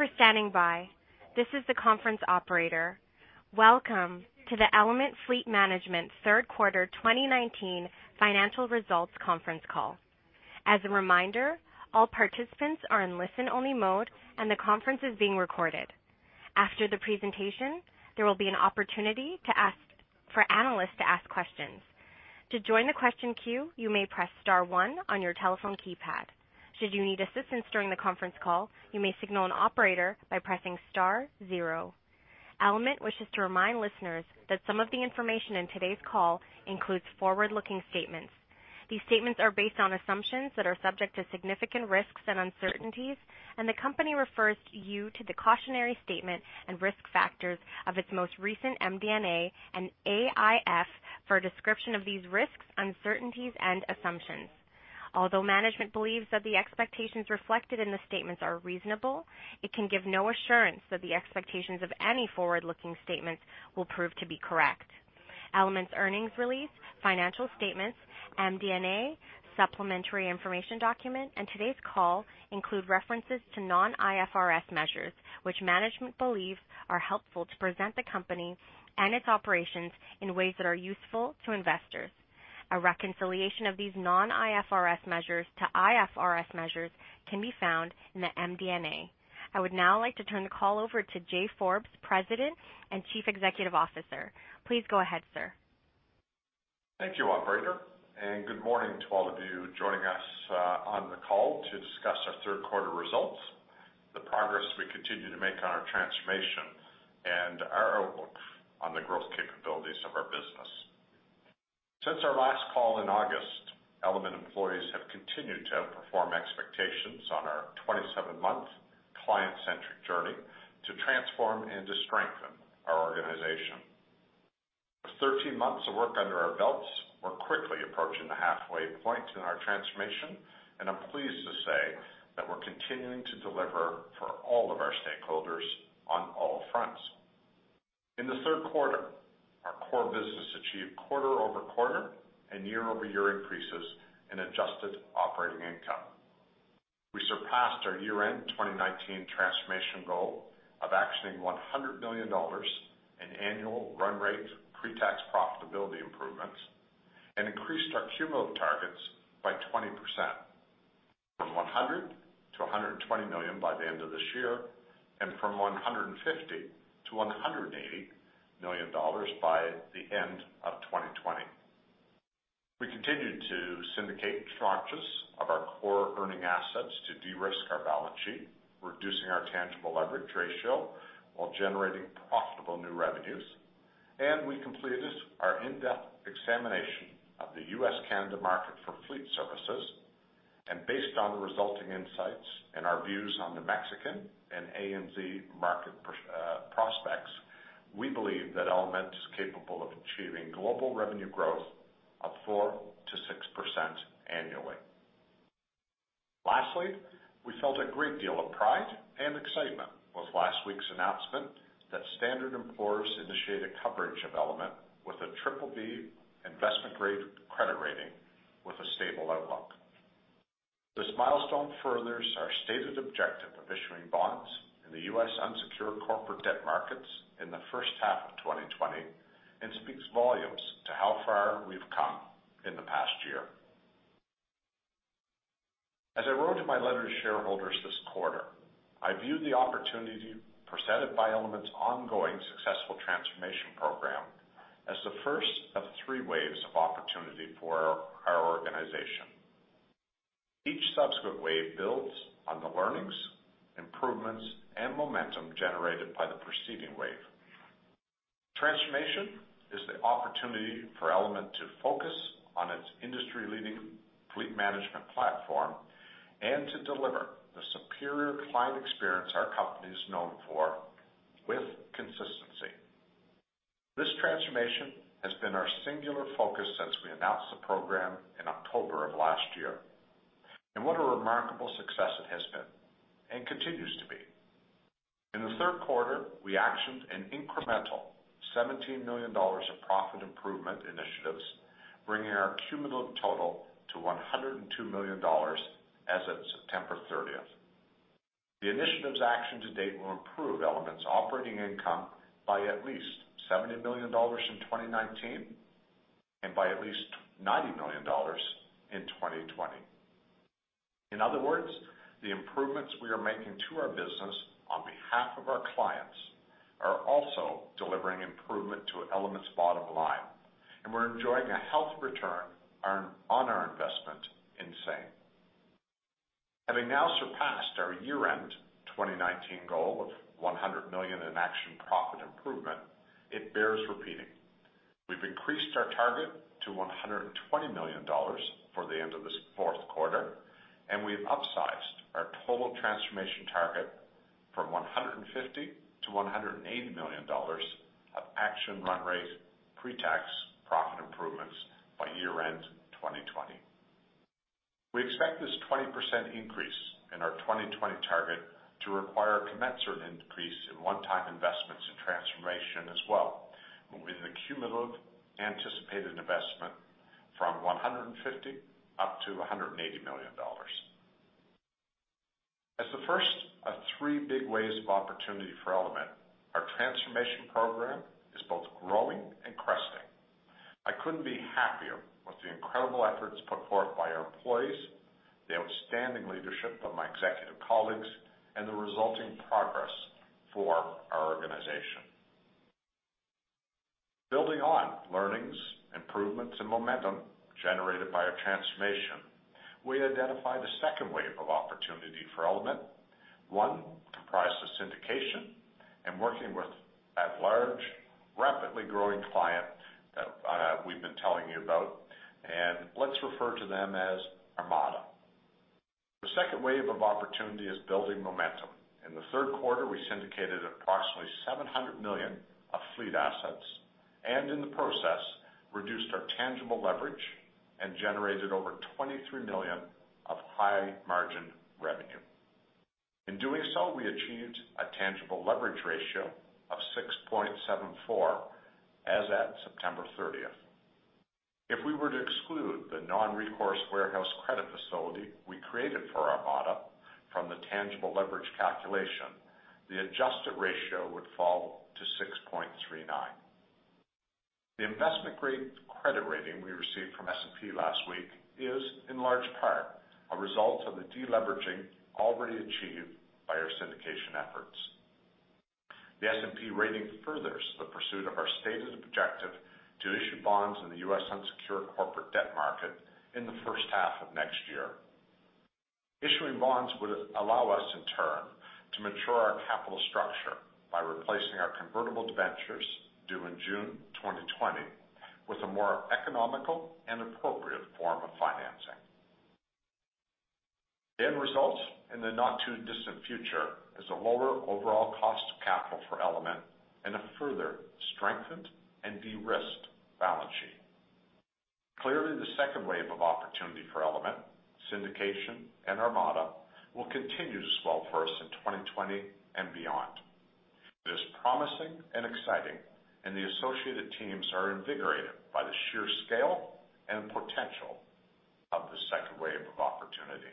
Thank you for standing by. This is the conference operator. Welcome to the Element Fleet Management Third Quarter 2019 Financial Results Conference Call. As a reminder, all participants are in listen-only mode and the conference is being recorded. After the presentation, there will be an opportunity for analysts to ask questions. To join the question queue, you may press star one on your telephone keypad. Should you need assistance during the conference call, you may signal an operator by pressing star zero. Element wishes to remind listeners that some of the information in today's call includes forward-looking statements. These statements are based on assumptions that are subject to significant risks and uncertainties, and the company refers you to the cautionary statement and risk factors of its most recent MD&A and AIF for a description of these risks, uncertainties, and assumptions. Although management believes that the expectations reflected in the statements are reasonable, it can give no assurance that the expectations of any forward-looking statements will prove to be correct. Element's earnings release, financial statements, MD&A, supplementary information document, and today's call include references to non-IFRS measures, which management believe are helpful to present the company and its operations in ways that are useful to investors. A reconciliation of these non-IFRS measures to IFRS measures can be found in the MD&A. I would now like to turn the call over to Jay Forbes, President and Chief Executive Officer. Please go ahead, sir. Thank you, operator, and good morning to all of you joining us on the call to discuss our third quarter results, the progress we continue to make on our transformation, and our outlook on the growth capabilities of our business. Since our last call in August, Element employees have continued to outperform expectations on our 27-month client-centric journey to transform and to strengthen our organization. With 13 months of work under our belts, we're quickly approaching the halfway point in our transformation, and I'm pleased to say that we're continuing to deliver for all of our stakeholders on all fronts. In the third quarter, our core business achieved quarter-over-quarter and year-over-year increases in Adjusted Operating Income. We surpassed our year-end 2019 transformation goal of actioning 100 million dollars in annual run rate pre-tax profitability improvements, increased our cumulative targets by 20%, from 100 million to 120 million by the end of this year, and from 150 million to 180 million dollars by the end of 2020. We continued to syndicate structures of our core earning assets to de-risk our balance sheet, reducing our tangible leverage ratio while generating profitable new revenues. We completed our in-depth examination of the U.S.-Canada market for fleet services. Based on the resulting insights and our views on the Mexican and ANZ market prospects, we believe that Element is capable of achieving global revenue growth of 4% to 6% annually. Lastly, we felt a great deal of pride and excitement with last week's announcement that Standard & Poor's initiated coverage of Element with a BBB investment-grade credit rating with a stable outlook. This milestone furthers our stated objective of issuing bonds in the U.S. unsecured corporate debt markets in the first half of 2020 and speaks volumes to how far we've come in the past year. As I wrote in my letter to shareholders this quarter, I view the opportunity presented by Element's ongoing successful Transformation program as the first of three waves of opportunity for our organization. Each subsequent wave builds on the learnings, improvements, and momentum generated by the preceding wave. Transformation is the opportunity for Element to focus on its industry-leading fleet management platform and to deliver the superior client experience our company is known for with consistency. This Transformation has been our singular focus since we announced the program in October of last year, and what a remarkable success it has been and continues to be. In the third quarter, we actioned an incremental 17 million dollars of profit improvement initiatives, bringing our cumulative total to 102 million dollars as of September 30th. The initiatives actioned to date will improve Element's operating income by at least 70 million dollars in 2019 and by at least 90 million dollars in 2020. In other words, the improvements we are making to our business on behalf of our clients are also delivering improvement to Element's bottom line, and we're enjoying a healthy return on our investment in same. Having now surpassed our year-end 2019 goal of 100 million in action profit improvement, it bears repeating. We've increased our target to 120 million dollars for the end of this fourth quarter, and we've upsized our total transformation target from 150 million-180 million dollars of action run rate pre-tax profit improvements by year-end 2020. We expect this 20% increase in our 2020 target to require a commensurate increase in one-time investment. As well, with the cumulative anticipated investment from 150 million up to 180 million dollars. As the first of three big waves of opportunity for Element, our transformation program is both growing and cresting. I couldn't be happier with the incredible efforts put forth by our employees, the outstanding leadership of my executive colleagues, and the resulting progress for our organization. Building on learnings, improvements, and momentum generated by our transformation, we identified a second wave of opportunity for Element, one comprised of syndication and working with that large, rapidly growing client that we've been telling you about. Let's refer to them as Armada. The second wave of opportunity is building momentum. In the third quarter, we syndicated approximately 700 million of fleet assets, and in the process, reduced our tangible leverage and generated over 23 million of high-margin revenue. In doing so, we achieved a tangible leverage ratio of 6.74 as at September 30th. If we were to exclude the non-recourse warehouse credit facility we created for Armada from the tangible leverage calculation, the adjusted ratio would fall to 6.39. The investment-grade credit rating we received from S&P last week is, in large part, a result of the de-leveraging already achieved by our syndication efforts. The S&P rating furthers the pursuit of our stated objective to issue bonds in the U.S. unsecured corporate debt market in the first half of next year. Issuing bonds would allow us, in turn, to mature our capital structure by replacing our convertible debentures due in June 2020 with a more economical and appropriate form of financing. The end result, in the not too distant future, is a lower overall cost of capital for Element and a further strengthened and de-risked balance sheet. Clearly, the second wave of opportunity for Element, syndication and Armada, will continue to swell for us in 2020 and beyond. It is promising and exciting, and the associated teams are invigorated by the sheer scale and potential of the second wave of opportunity.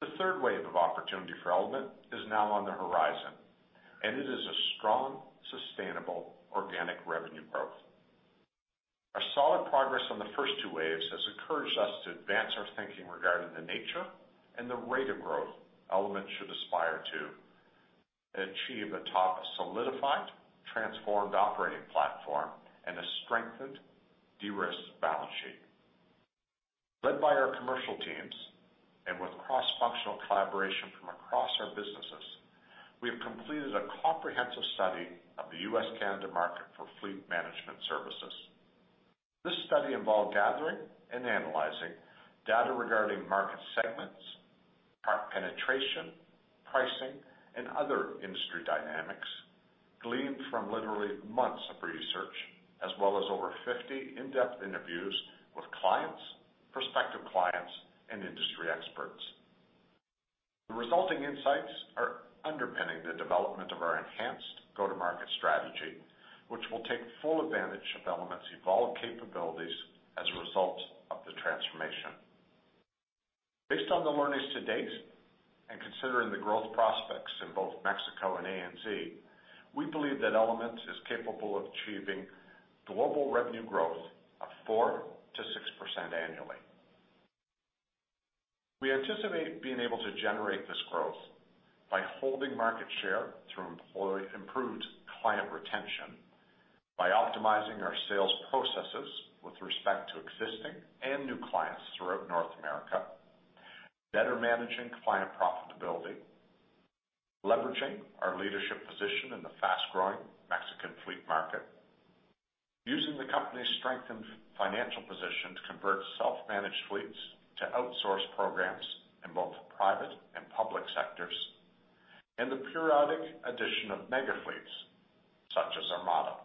The third wave of opportunity for Element is now on the horizon, and it is a strong, sustainable, organic revenue growth. Our solid progress on the first two waves has encouraged us to advance our thinking regarding the nature and the rate of growth Element should aspire to achieve atop a solidified, transformed operating platform and a strengthened, de-risked balance sheet. Led by our commercial teams, and with cross-functional collaboration from across our businesses, we have completed a comprehensive study of the U.S. Canada market for fleet management services. This study involved gathering and analyzing data regarding market segments, our penetration, pricing, and other industry dynamics gleaned from literally months of research, as well as over 50 in-depth interviews with clients, prospective clients, and industry experts. The resulting insights are underpinning the development of our enhanced go-to-market strategy, which will take full advantage of Element's evolved capabilities as a result of the transformation. Based on the learnings to date, and considering the growth prospects in both Mexico and ANZ, we believe that Element is capable of achieving global revenue growth of 4%-6% annually. We anticipate being able to generate this growth by holding market share through improved client retention, by optimizing our sales processes with respect to existing and new clients throughout North America, better managing client profitability, leveraging our leadership position in the fast-growing Mexican fleet market, using the company's strengthened financial position to convert self-managed fleets to outsourced programs in both private and public sectors, and the periodic addition of mega fleets, such as Armada.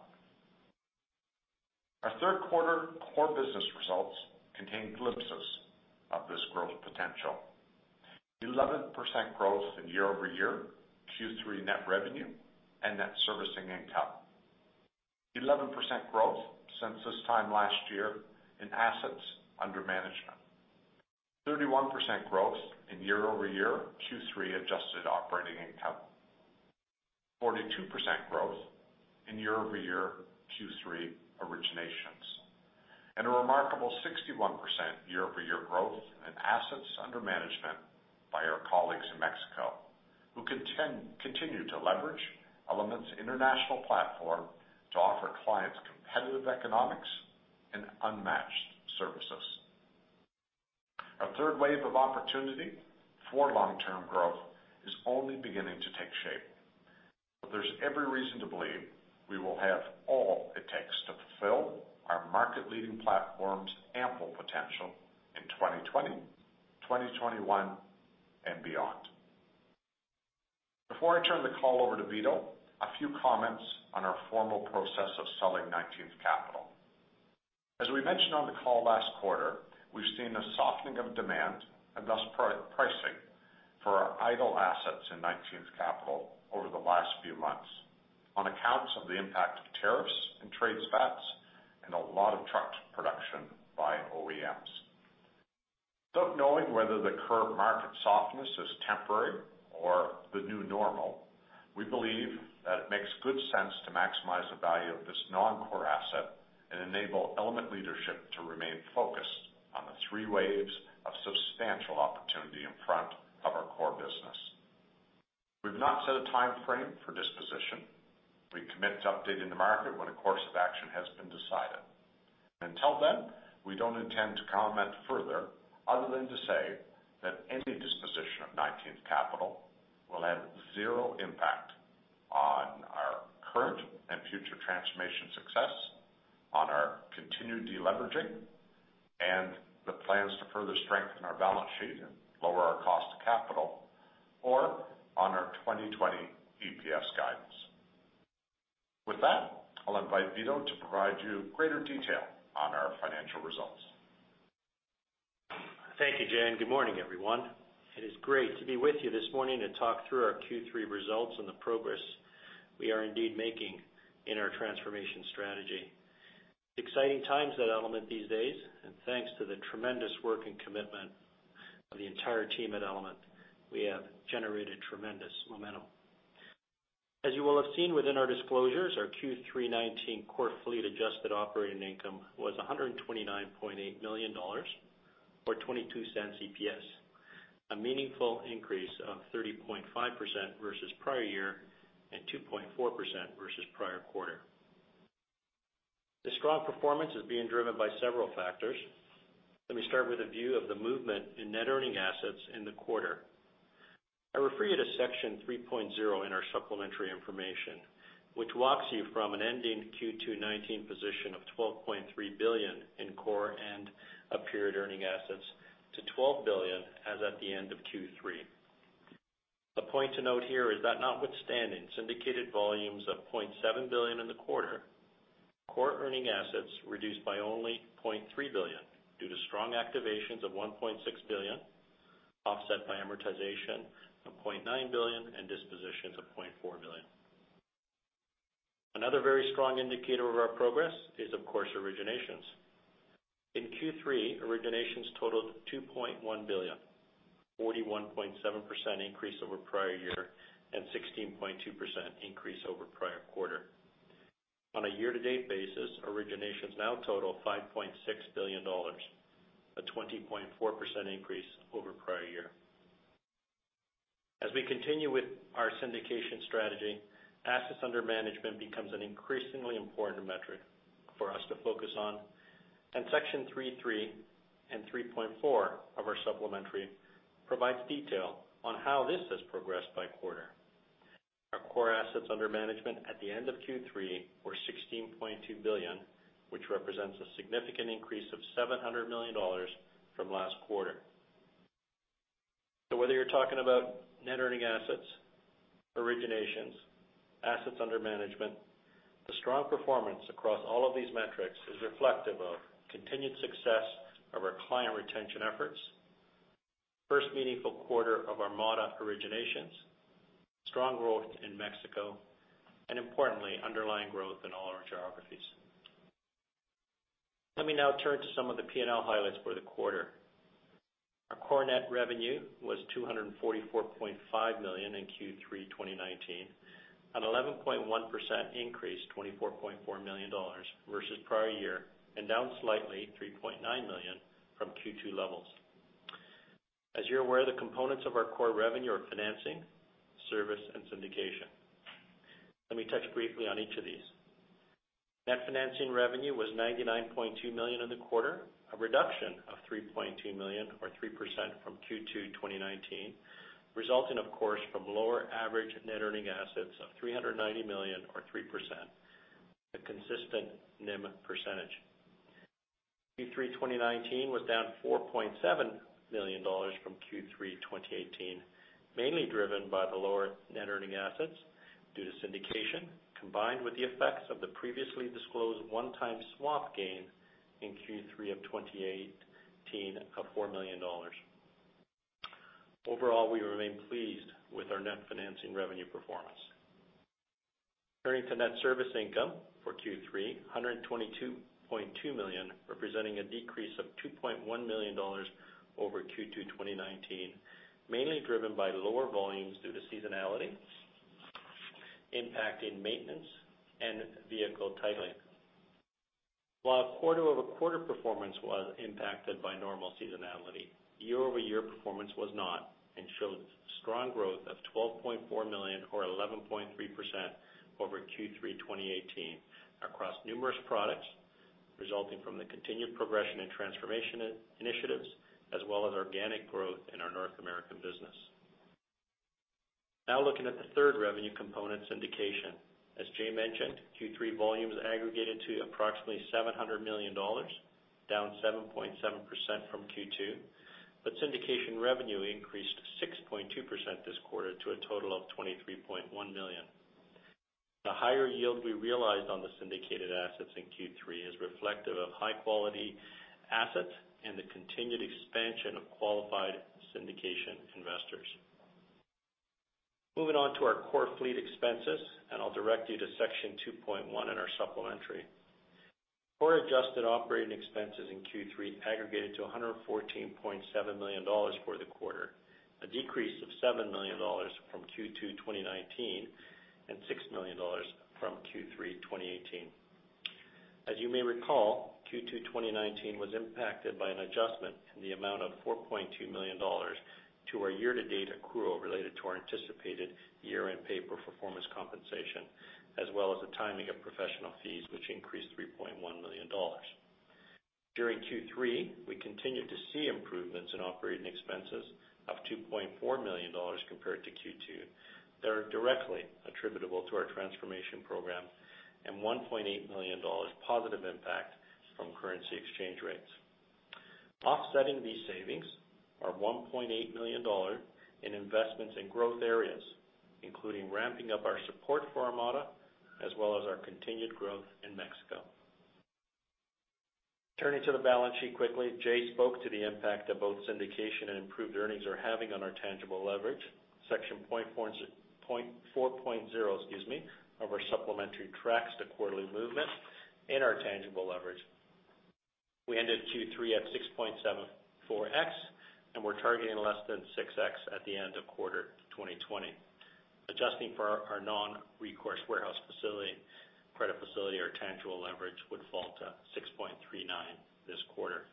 Our third quarter core business results contain glimpses of this growth potential. 11% growth in year-over-year Q3 net revenue and net servicing income. 11% growth since this time last year in assets under management. 31% growth in year-over-year Q3 adjusted operating income. 42% growth in year-over-year Q3 originations. A remarkable 61% year-over-year growth in assets under management by our colleagues in Mexico, who continue to leverage Element's international platform to offer clients competitive economics and unmatched services. Our third wave of opportunity for long-term growth is only beginning to take shape. There's every reason to believe we will have all it takes to fulfill our market-leading platform's ample potential in 2020, 2021, and beyond. Before I turn the call over to Vito, a few comments on our formal process of selling 19th Capital. As we mentioned on the call last quarter, we've seen a softening of demand, and thus pricing, for our idle assets in 19th Capital over the last few months on accounts of the impact of tariffs and trade spats, and a lot of truck production by OEMs. Without knowing whether the current market softness is temporary or the new normal, we believe that it makes good sense to maximize the value of this non-core asset and enable Element leadership to remain focused on the three waves of substantial opportunity in front of our core business. We've not set a timeframe for disposition. We commit to updating the market when a course of action has been decided. Until then, we don't intend to comment further other than to say that any disposition of 19th Capital will have zero impact on our current and future transformation success, on our continued de-leveraging, and the plans to further strengthen our balance sheet and lower our cost of capital, or on our 2020 EPS guidance. With that, I'll invite Vito to provide you greater detail on our financial results. Thank you, Jay, and good morning, everyone. It is great to be with you this morning to talk through our Q3 results and the progress we are indeed making in our transformation strategy. Exciting times at Element these days, thanks to the tremendous work and commitment of the entire team at Element, we have generated tremendous momentum. As you will have seen within our disclosures, our Q3 '19 core fleet adjusted operating income was $129.8 million, or 0.22 EPS, a meaningful increase of 30.5% versus prior year, 2.4% versus prior quarter. The strong performance is being driven by several factors. Let me start with a view of the movement in net earning assets in the quarter. I refer you to Section 3.0 in our supplementary information, which walks you from an ending Q2 2019 position of 12.3 billion in core end-of-period earning assets to 12 billion as at the end of Q3. A point to note here is that notwithstanding syndicated volumes of 0.7 billion in the quarter, core earning assets reduced by only 0.3 billion due to strong activations of 1.6 billion, offset by amortization of 0.9 billion and dispositions of 0.4 billion. Another very strong indicator of our progress is, of course, originations. In Q3, originations totaled 2.1 billion, 41.7% increase over prior year, and 16.2% increase over prior quarter. On a year-to-date basis, originations now total 5.6 billion dollars, a 20.4% increase over prior year. As we continue with our syndication strategy, assets under management becomes an increasingly important metric for us to focus on. Section 3.3 and 3.4 of our supplementary provides detail on how this has progressed by quarter. Our core assets under management at the end of Q3 were 16.2 billion, which represents a significant increase of 700 million dollars from last quarter. Whether you're talking about net earning assets, originations, assets under management, the strong performance across all of these metrics is reflective of continued success of our client retention efforts. First meaningful quarter of Armada's originations, strong growth in Mexico, and importantly, underlying growth in all our geographies. Let me now turn to some of the P&L highlights for the quarter. Our core net revenue was 244.5 million in Q3 2019, an 11.1% increase, 24.4 million dollars versus prior year, and down slightly 3.9 million from Q2 levels. As you're aware, the components of our core revenue are financing, service, and syndication. Let me touch briefly on each of these. Net financing revenue was 99.2 million in the quarter, a reduction of 3.2 million or 3% from Q2 2019, resulting, of course, from lower average net earning assets of 390 million or 3%, a consistent NIM percentage. Q3 2019 was down 4.7 million dollars from Q3 2018, mainly driven by the lower net earning assets due to syndication, combined with the effects of the previously disclosed one-time swap gain in Q3 of 2018 of 4 million dollars. Overall, we remain pleased with our net financing revenue performance. Turning to net service income for Q3, 122.2 million, representing a decrease of 2.1 million dollars over Q2 2019, mainly driven by lower volumes due to seasonality impacting maintenance and vehicle titling. While quarter-over-quarter performance was impacted by normal seasonality, year-over-year performance was not, and showed strong growth of 12.4 million or 11.3% over Q3 2018 across numerous products, resulting from the continued progression and transformation initiatives, as well as organic growth in our North American business. Looking at the third revenue component, syndication. As Jay mentioned, Q3 volumes aggregated to approximately 700 million dollars, down 7.7% from Q2, but syndication revenue increased 6.2% this quarter to a total of 23.1 million. The higher yield we realized on the syndicated assets in Q3 is reflective of high-quality assets and the continued expansion of qualified syndication investors. Moving on to our core fleet expenses, and I'll direct you to Section 2.1 in our supplementary. Core adjusted operating expenses in Q3 aggregated to 114.7 million dollars for the quarter, a decrease of 7 million dollars from Q2 2019, and 6 million dollars from Q3 2018. As you may recall, Q2 2019 was impacted by an adjustment in the amount of $4.2 million to our year-to-date accrual related to our anticipated year-end pay for performance compensation, as well as the timing of professional fees, which increased $3.1 million. During Q3, we continued to see improvements in operating expenses of $2.4 million compared to Q2 that are directly attributable to our transformation program, and $1.8 million positive impact from currency exchange rates. Offsetting these savings are 1.8 million dollars in investments in growth areas, including ramping up our support for Armada, as well as our continued growth in Mexico. Turning to the balance sheet quickly, Jay spoke to the impact that both syndication and improved earnings are having on our tangible leverage. Section 4.0 of our supplementary tracks the quarterly movement in our tangible leverage. We ended Q3 at 6.74x, and we're targeting less than 6x at the end of quarter 2020. Adjusting for our non-recourse warehouse credit facility, our tangible leverage would fall to 6.39 this quarter.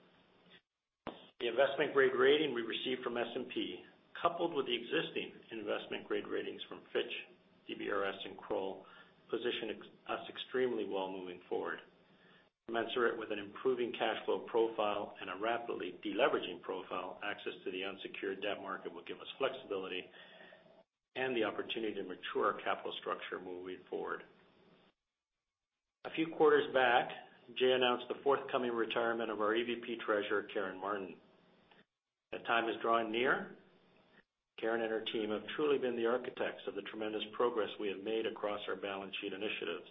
The investment-grade rating we received from S&P, coupled with the existing investment-grade ratings from Fitch, DBRS, and Kroll, position us extremely well moving forward. Commensurate with an improving cash flow profile and a rapidly de-leveraging profile, access to the unsecured debt market will give us flexibility and the opportunity to mature our capital structure moving forward. A few quarters back, Jay announced the forthcoming retirement of our EVP Treasurer, Karen Martin. That time is drawing near. Karen and her team have truly been the architects of the tremendous progress we have made across our balance sheet initiatives.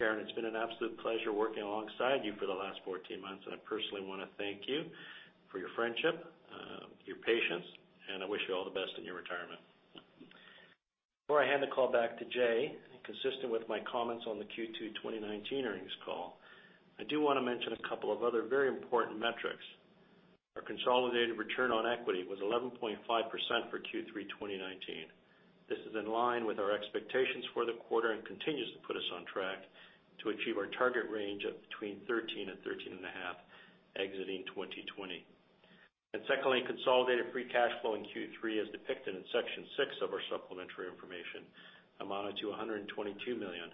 Karen, it's been an absolute pleasure working alongside you for the last 14 months, and I personally want to thank you for your friendship, your patience, and I wish you all the best in your retirement. Before I hand the call back to Jay, and consistent with my comments on the Q2 2019 earnings call, I do want to mention a couple of other very important metrics. Our consolidated return on equity was 11.5% for Q3 2019. This is in line with our expectations for the quarter and continues to put us on track to achieve our target range of between 13 and 13.5 exiting 2020. Secondly, consolidated free cash flow in Q3, as depicted in Section six of our supplementary information, amounted to 122 million,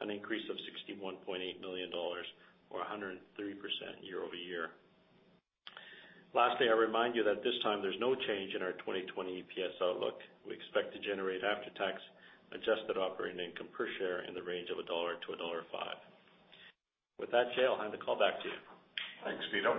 an increase of 61.8 million dollars or 103% year-over-year. Lastly, I remind you that this time there's no change in our 2020 EPS outlook. We expect to generate after-tax adjusted operating income per share in the range of 1-1.05 dollar. With that, Jay, I'll hand the call back to you. Thanks, Vito.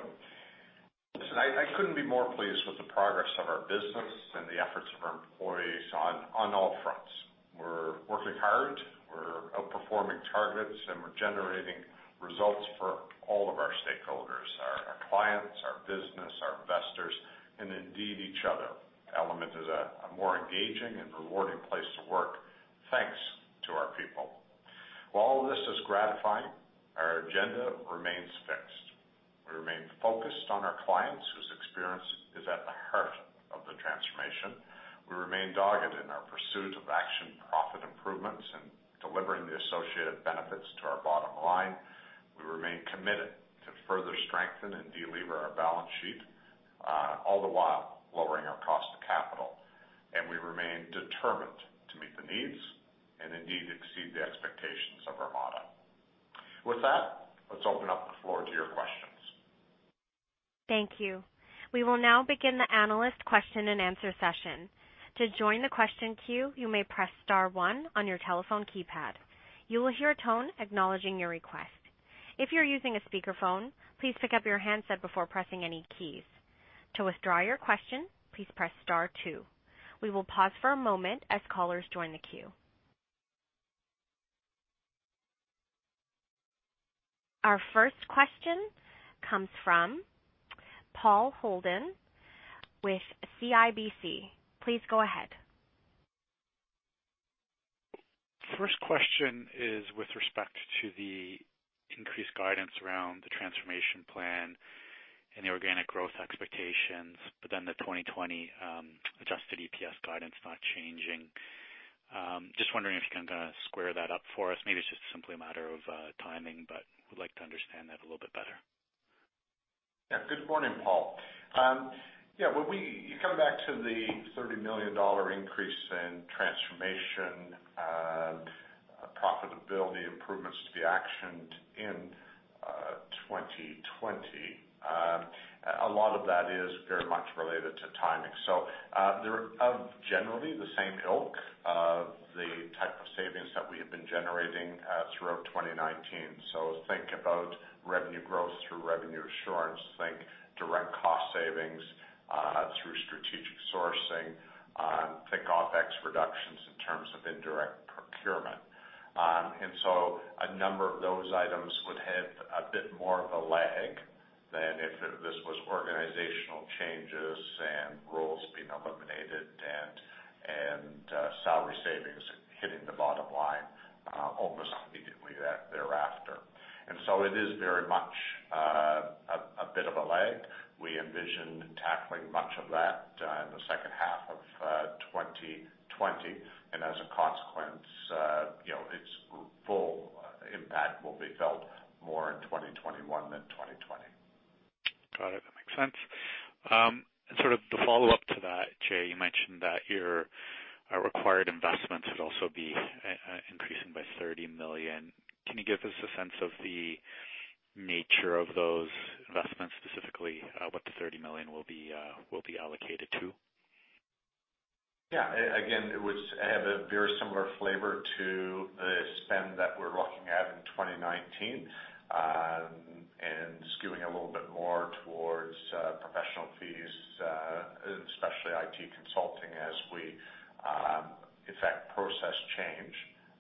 Listen, I couldn't be more pleased with the progress of our business and the efforts of our employees on all fronts. We're working hard, we're outperforming targets, and we're generating results for all of our stakeholders, our clients, our business, our investors, and indeed, each other. Element is a more engaging and rewarding place to work, thanks to our people. While all this is gratifying, our agenda remains fixed. We remain focused on our clients, whose experience is at the heart of the transformation. We remain dogged in our pursuit of action profit improvements and delivering the associated benefits to our bottom line. We remain committed to further strengthen and de-lever our balance sheet, all the while lowering our cost of capital. We remain determined to meet the needs and indeed, exceed the expectations of Armada. With that, let's open up the floor to your questions. Thank you. We will now begin the analyst question-and-answer session. To join the question queue, you may press star one on your telephone keypad. You will hear a tone acknowledging your request. If you're using a speakerphone, please pick up your handset before pressing any keys. To withdraw your question, please press star two. We will pause for a moment as callers join the queue. Our first question comes from Paul Holden with CIBC. Please go ahead. First question is with respect to the increased guidance around the transformation plan and the organic growth expectations, but then the 2020 adjusted EPS guidance not changing. Just wondering if you can kind of square that up for us. Maybe it's just simply a matter of timing, but would like to understand that a little bit better. Yeah. Good morning, Paul. When you come back to the 30 million dollar increase in transformation profitability improvements to be actioned in 2020, a lot of that is very much related to timing. They're of generally the same ilk of the type of savings that we have been generating throughout 2019. Think about revenue growth through revenue assurance, think direct cost savings through strategic sourcing, think OpEx direct procurement. A number of those items would have a bit more of a lag than if this was organizational changes and roles being eliminated and salary savings hitting the bottom line almost immediately thereafter. It is very much a bit of a lag. We envision tackling much of that in the second half of 2020, and as a consequence, its full impact will be felt more in 2021 than 2020. Got it. That makes sense. Sort of the follow-up to that, Jay, you mentioned that your required investments would also be increasing by 30 million. Can you give us a sense of the nature of those investments, specifically what the 30 million will be allocated to? Yeah. It would have a very similar flavor to the spend that we're looking at in 2019, and skewing a little bit more towards professional fees, and especially IT consulting as we effect process change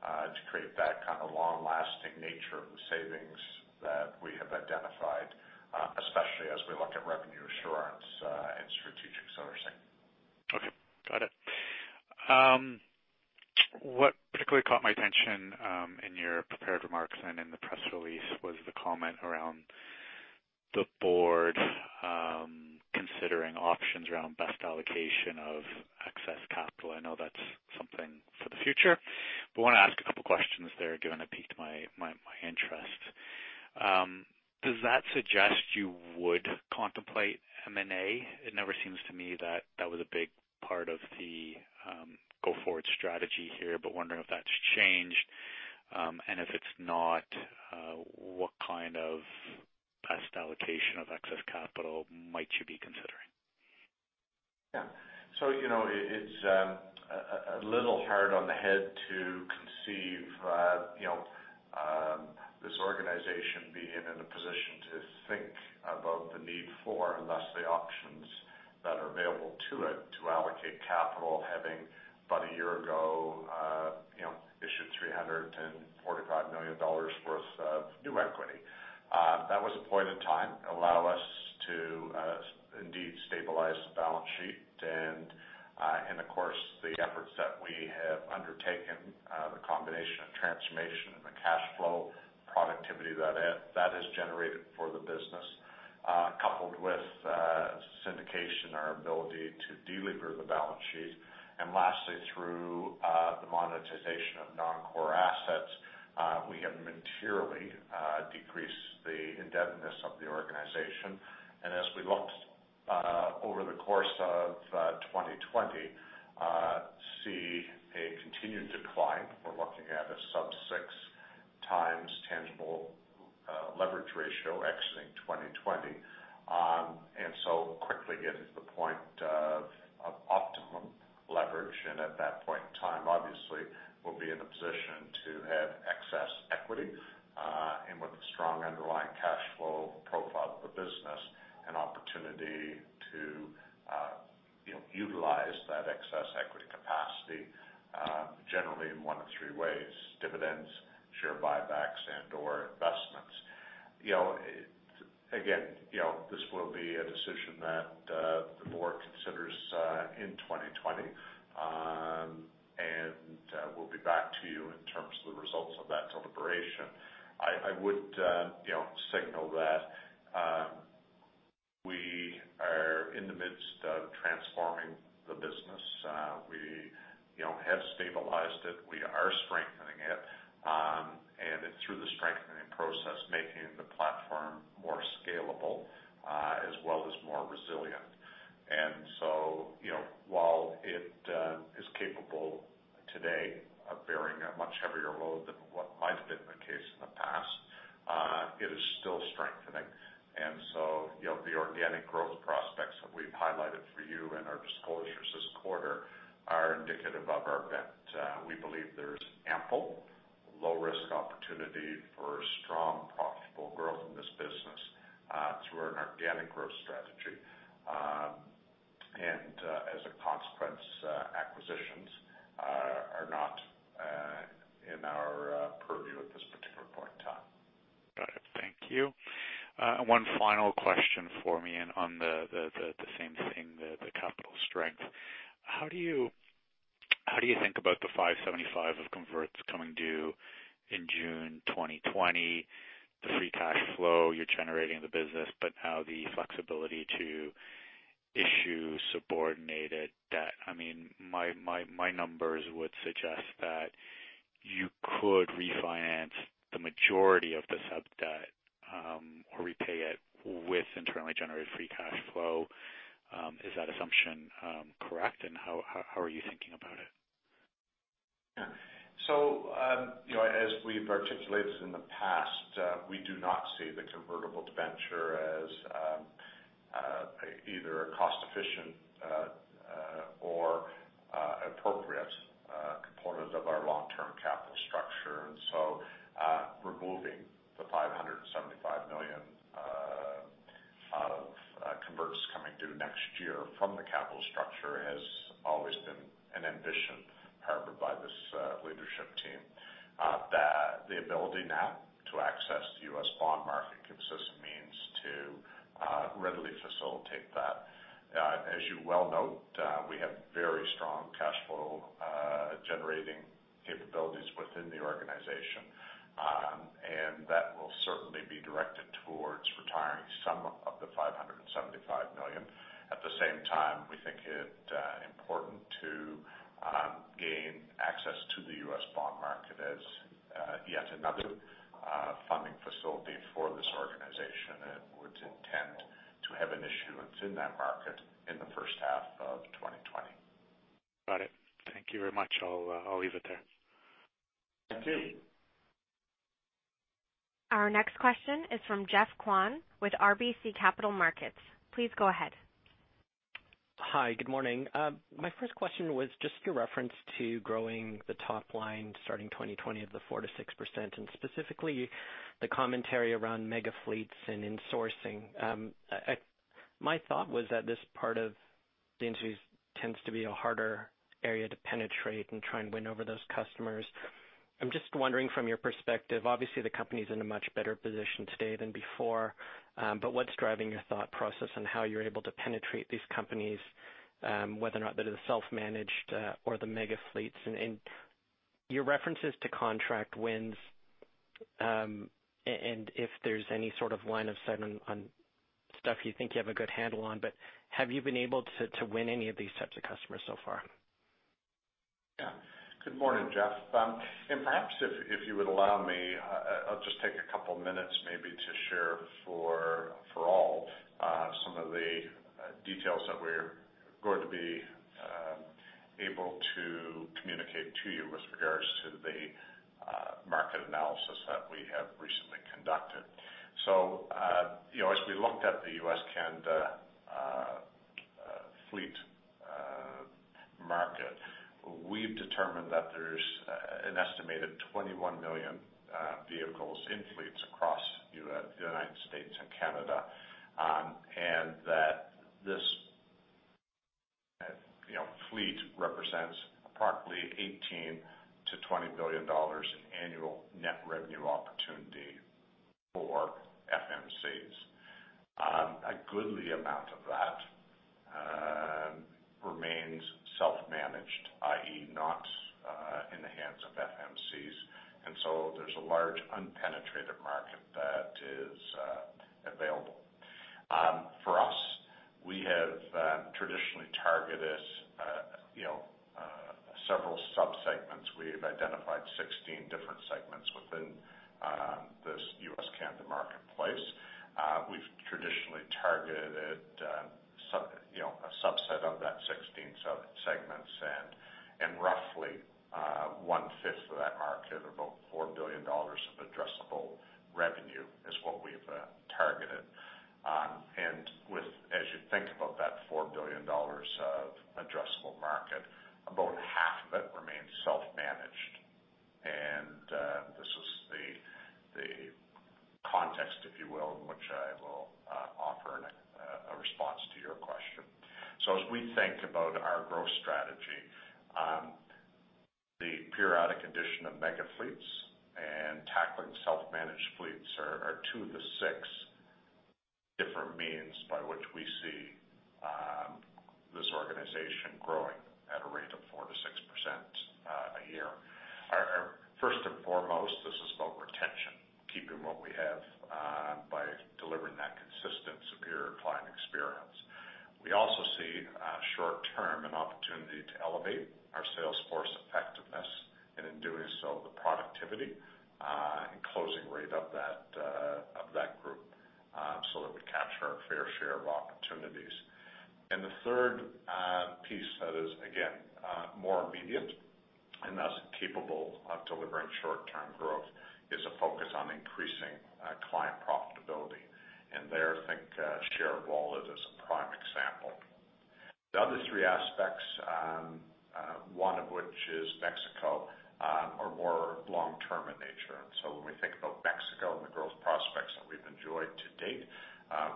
to create that kind of long-lasting nature of the savings that we have identified, especially as we look at revenue assurance and strategic sourcing. Okay. Got it. What particularly caught my attention in your prepared remarks and in the press release was the comment around the board considering options around best allocation of excess capital. I know that's something for the future, want to ask a couple of questions there, given it piqued my interest. Does that suggest you would contemplate M&A? It never seems to me that that was a big part of the go-forward strategy here, wondering if that's changed. If it's not, what kind of best allocation of excess capital might you be considering? Yeah. It's a little hard on the head to conceive this organization being in a position to think about the need for, and thus the options that are available to it to allocate capital, having about a year ago issued 345 million dollars worth of new equity. That was a point in time allow us to indeed stabilize the balance sheet and in the course the efforts that we have undertaken, the combination of transformation and the cash flow productivity that has generated for the business, coupled with syndication, our ability to delever the balance sheet, and lastly, through the monetization of non-core assets, we have materially decreased the indebtedness of the organization. As we looked over the course of 2020, we see a continued decline. We're looking at a sub six times tangible leverage ratio exiting 2020. Quickly getting to the point of optimum leverage, and at that point in time, obviously, we'll be in a position to have excess equity, and with a strong underlying cash flow profile of the business, an opportunity to utilize that excess equity capacity generally in one of three ways, dividends, share buybacks, and/or investments. Again, this will be a decision that the board considers in 2020. We'll be back to you in terms of the results of that deliberation. I would signal that we are in the midst of transforming the business. We have stabilized it. We are strengthening it. It's through the strengthening process, making the platform more scalable, as well as more resilient. While it is capable today of bearing a much heavier load than what might have been the case in the past, it is still strengthening. The organic growth prospects that we've highlighted for you in our disclosures this quarter are indicative of our bent. We believe there's ample low risk opportunity for strong, profitable growth in this business through an organic growth strategy. As a consequence, acquisitions are not in our purview at this particular point in time. Got it. Thank you. One final question for me on the same thing, the capital strength. How do you think about the 575 of converts coming due in June 2020, the free cash flow you're generating in the business, but now the flexibility to issue subordinated debt? My numbers would suggest that you could refinance the majority of the sub-debt or repay it with internally generated free cash flow. Is that assumption correct, and how are you thinking about it? As we've articulated in the past, we do not see the convertible debenture as either a cost-efficient or appropriate component of our long-term capital structure. Removing the CAD 575 million Converts coming due next year from the capital structure has always been an ambition harbored by this leadership team. The ability now to access the U.S. bond market gives us means to readily facilitate that. As you well note, we have very strong cash flow generating capabilities within the organization, and that will certainly be directed towards retiring some of the 575 million. At the same time, we think it important to gain access to the U.S. bond market as yet another funding facility for this organization, and would intend to have an issuance in that market in the first half of 2020. Got it. Thank you very much. I'll leave it there. Thank you. Our next question is from Geoff Kwan with RBC Capital Markets. Please go ahead. Hi. Good morning. My first question was just your reference to growing the top line starting 2020 of the 4%-6%, and specifically the commentary around mega fleets and insourcing. My thought was that this part of the industry tends to be a harder area to penetrate and try and win over those customers. I'm just wondering from your perspective, obviously, the company's in a much better position today than before, but what's driving your thought process and how you're able to penetrate these companies, whether or not that is self-managed or the mega fleets? Your references to contract wins, and if there's any sort of line of sight on stuff you think you have a good handle on, but have you been able to win any of these types of customers so far? Good morning, Geoff. Perhaps if you would allow me, I'll just take a couple minutes maybe to share for all some of the details that we're going to be able to communicate to you with regards to the market analysis that we have recently conducted. As we looked at the U.S., Canada fleet market, we've determined that there's an estimated 21 million vehicles in fleets across the United States and Canada, and that this fleet represents approximately 18 billion-20 billion dollars in annual net revenue opportunity for FMCs. A goodly amount of that remains self-managed, i.e., not in the hands of FMCs, and so there's a large unpenetrated market that is available. For us, we have traditionally targeted several sub-segments. We've identified 16 different segments within this U.S., Canada marketplace. We've traditionally targeted a subset of that 16 segments, roughly one fifth of that market, or about 4 billion dollars of addressable revenue is what we've targeted. As you think about that 4 billion dollars of addressable market, about half of it remains self-managed. This is the context, if you will, in which I will offer a response to your question. As we think about our growth strategy, the periodic addition of mega fleets and tackling self-managed fleets are two of the six different means by which we see this organization growing at a rate of 4%-6% a year. First and foremost, this is about retention, keeping what we have by delivering that consistent, superior client experience. We also see short term, an opportunity to elevate our sales force effectiveness, and in doing so, the productivity and closing rate of that group, so that we capture our fair share of opportunities. The third piece that is, again, more immediate and thus capable of delivering short-term growth is a focus on increasing client profitability. There, think share of wallet as a prime example. The other three aspects, one of which is Mexico, are more long-term in nature. When we think about Mexico and the growth prospects that we've enjoyed to date,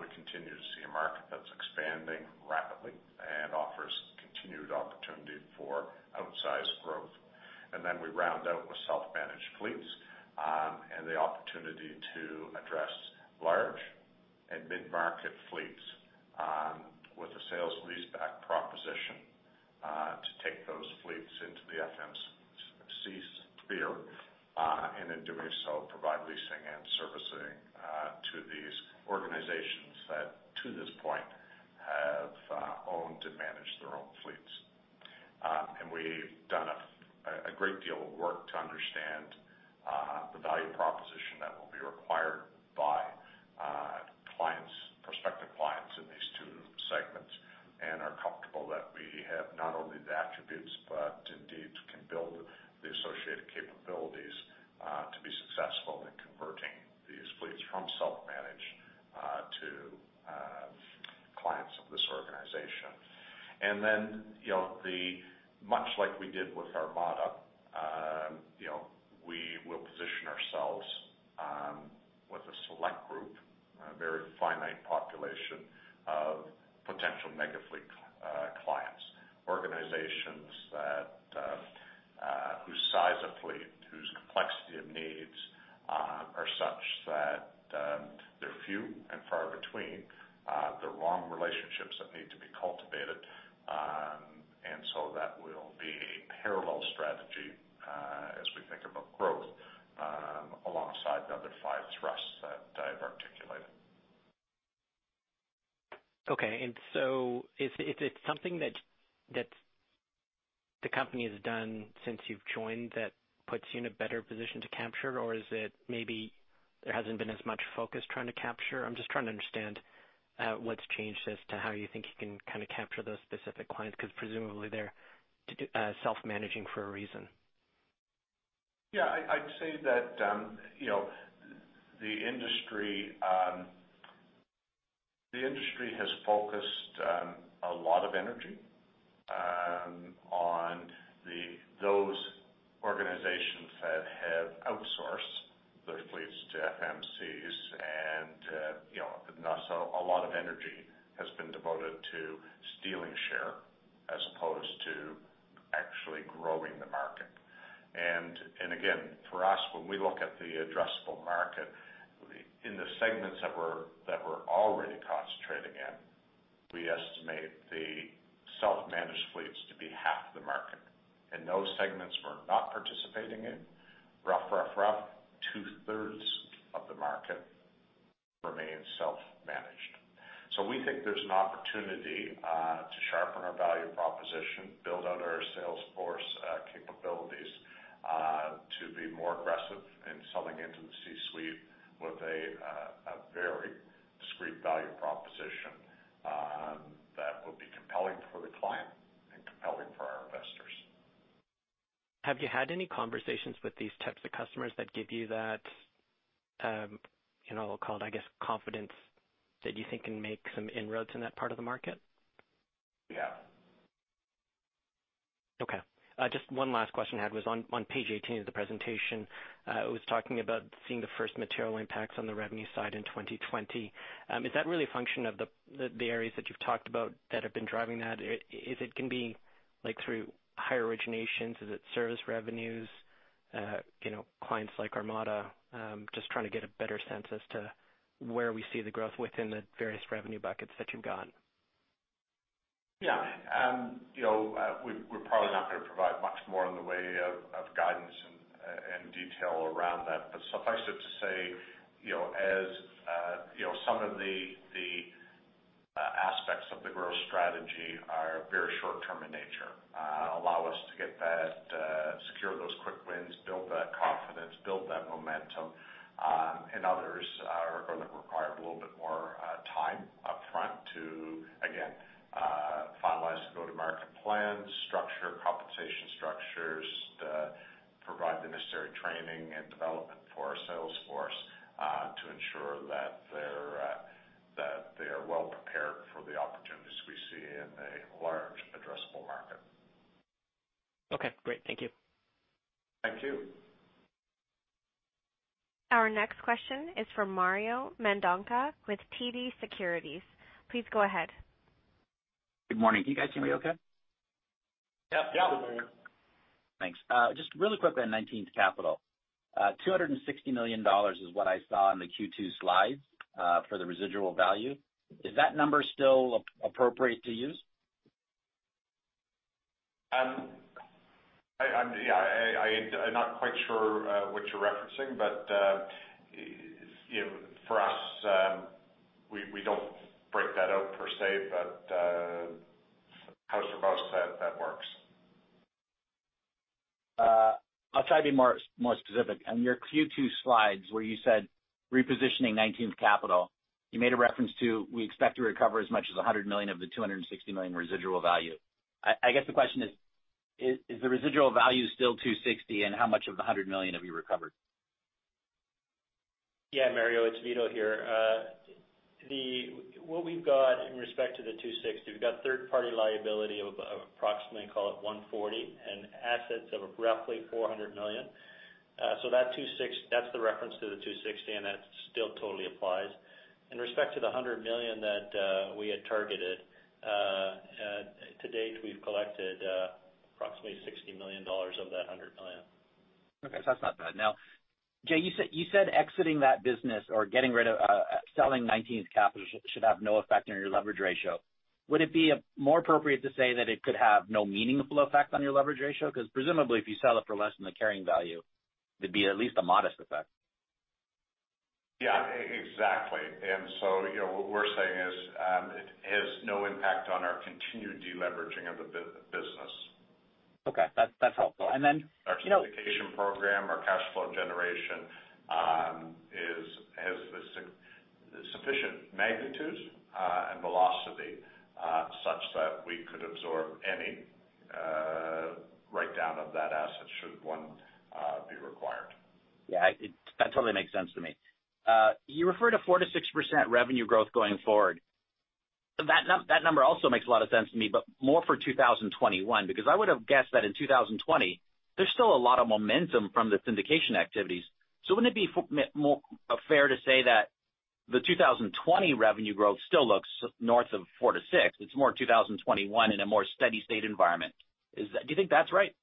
we continue to see a market that's expanding rapidly and offers continued opportunity for outsized growth. We round out with self-managed fleets, and the opportunity to address large and mid-market fleets with a sale-leaseback proposition to take those fleets into the FMC sphere. In doing so, provide leasing and servicing to these organizations that, to this point, have owned and managed their own fleets. We've done a great deal of work to understand the value proposition that will be required by prospective clients in these two segments and are comfortable that we have not only the attributes, but indeed can build the associated capabilities to be successful in converting these fleets from self-managed to clients of this organization. Much like we did with Armada, we will position ourselves with a select group, a very finite population of potential mega fleet clients, organizations whose size of fleet, whose complexity of needs are such that they're few and far between. They're long relationships that need to be cultivated. That will be a parallel strategy as we think about growth, alongside the other five thrusts that I've articulated. Okay. Is it something that the company has done since you've joined that puts you in a better position to capture? Is it maybe there hasn't been as much focus trying to capture? I'm just trying to understand what's changed as to how you think you can capture those specific clients, because presumably they're self-managing for a reason. Yeah, I'd say that the industry has focused a lot of energy on those organizations that have outsourced their fleets to FMCs. A lot of energy has been devoted to stealing share as opposed to actually growing the market. For us, when we look at the addressable market in the segments that we're already concentrating in, we estimate the self-managed fleets to be half the market. In those segments we're not participating in, rough, two-thirds of the market remains self-managed. We think there's an opportunity to sharpen our value proposition, build out our sales force capabilities to be more aggressive in selling into the C-suite with a very discrete value proposition that will be compelling for the client and compelling for our investors. Have you had any conversations with these types of customers that give you that, I'll call it, I guess, confidence that you think can make some inroads in that part of the market? Yeah. Just one last question I had was on page 18 of the presentation. It was talking about seeing the first material impacts on the revenue side in 2020. Is that really a function of the areas that you've talked about that have been driving that? If it can be through higher originations, is it service revenues, clients like Armada? Just trying to get a better sense as to where we see the growth within the various revenue buckets that you've got. Yeah. We're probably not going to provide much more in the way of guidance and detail around that, but suffice it to say, some of the aspects of the growth strategy are very short-term in nature, allow us to secure those quick wins, build that confidence, build that momentum, and others are going to require a little bit more time upfront to, again, finalize the go-to-market plan, structure compensation structures that provide the necessary training and development for our sales force to ensure that they're well prepared for the opportunities we see in a large addressable market. Okay, great. Thank you. Thank you. Our next question is from Mario Mendonca with TD Securities. Please go ahead. Good morning. Can you guys hear me okay? Yep. Yeah. Thanks. Just really quickly on 19th Capital. 260 million dollars is what I saw on the Q2 slides for the residual value. Is that number still appropriate to use? I'm not quite sure what you're referencing, but for us, we don't break that out per se, but how else that works. I'll try to be more specific. On your Q2 slides where you said repositioning 19th Capital, you made a reference to, we expect to recover as much as 100 million of the 260 million residual value. I guess the question is the residual value still 260, and how much of the 100 million have you recovered? Yeah, Mario, it is Vito here. What we have got in respect to the 260, we have got third-party liability of approximately, call it 140, and assets of roughly 400 million. That is the reference to the 260, and that still totally applies. In respect to the 100 million that we had targeted, to date, we have collected approximately 60 million dollars of that 100 million. Okay. That's not bad. Now, Jay, you said exiting that business or selling 19th Capital should have no effect on your leverage ratio. Would it be more appropriate to say that it could have no meaningful effect on your leverage ratio? Presumably, if you sell it for less than the carrying value, there'd be at least a modest effect. Yeah, exactly. What we're saying is it has no impact on our continued deleveraging of the business. Okay. That's helpful. Our certification program, our cash flow generation has the sufficient magnitude and velocity such that we could absorb That totally makes sense to me. You refer to 4% to 6% revenue growth going forward. That number also makes a lot of sense to me, but more for 2021, because I would've guessed that in 2020, there's still a lot of momentum from the syndication activities. Wouldn't it be fair to say that the 2020 revenue growth still looks north of 4% to 6%? It's more 2021 in a more steady state environment. Do you think that's right?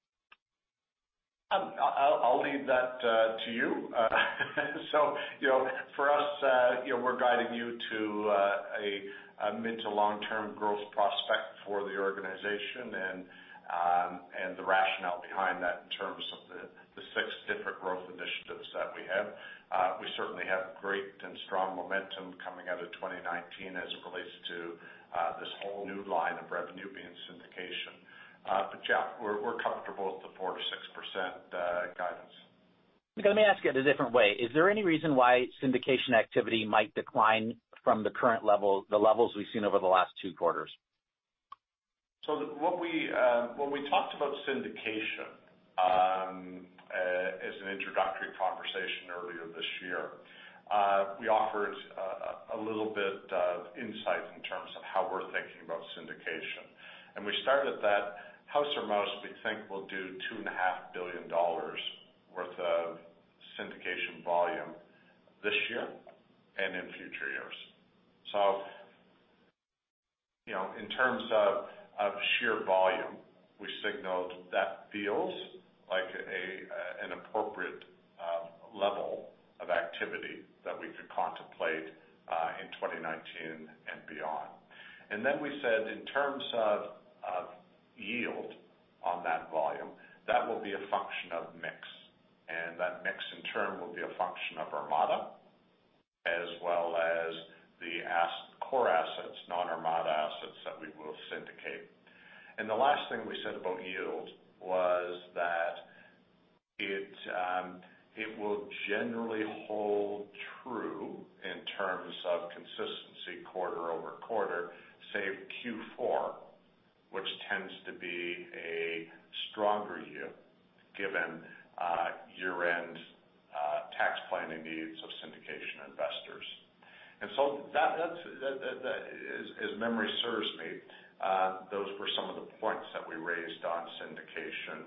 I'll leave that to you. For us, we're guiding you to a mid to long-term growth prospect for the organization and the rationale behind that in terms of the six different growth initiatives that we have. We certainly have great and strong momentum coming out of 2019 as it relates to this whole new line of revenue being syndication. Yeah, we're comfortable with the 4%-6% guidance. Okay. Let me ask it a different way. Is there any reason why syndication activity might decline from the current level, the levels we've seen over the last two quarters? When we talked about syndication as an introductory conversation earlier this year, we offered a little bit of insight in terms of how we're thinking about syndication. We think we'll do 2.5 billion dollars worth of syndication volume this year and in future years. In terms of sheer volume, we signaled that feels like an appropriate level of activity that we could contemplate in 2019 and beyond. We said in terms of yield on that volume, that will be a function of mix, and that mix in turn will be a function of Armada as well as the core assets, non-Armada assets that we will syndicate. The last thing we said about yield was that it will generally hold true in terms of consistency quarter over quarter, save Q4, which tends to be a stronger yield given year-end tax planning needs of syndication investors. As memory serves me, those were some of the points that we raised on syndication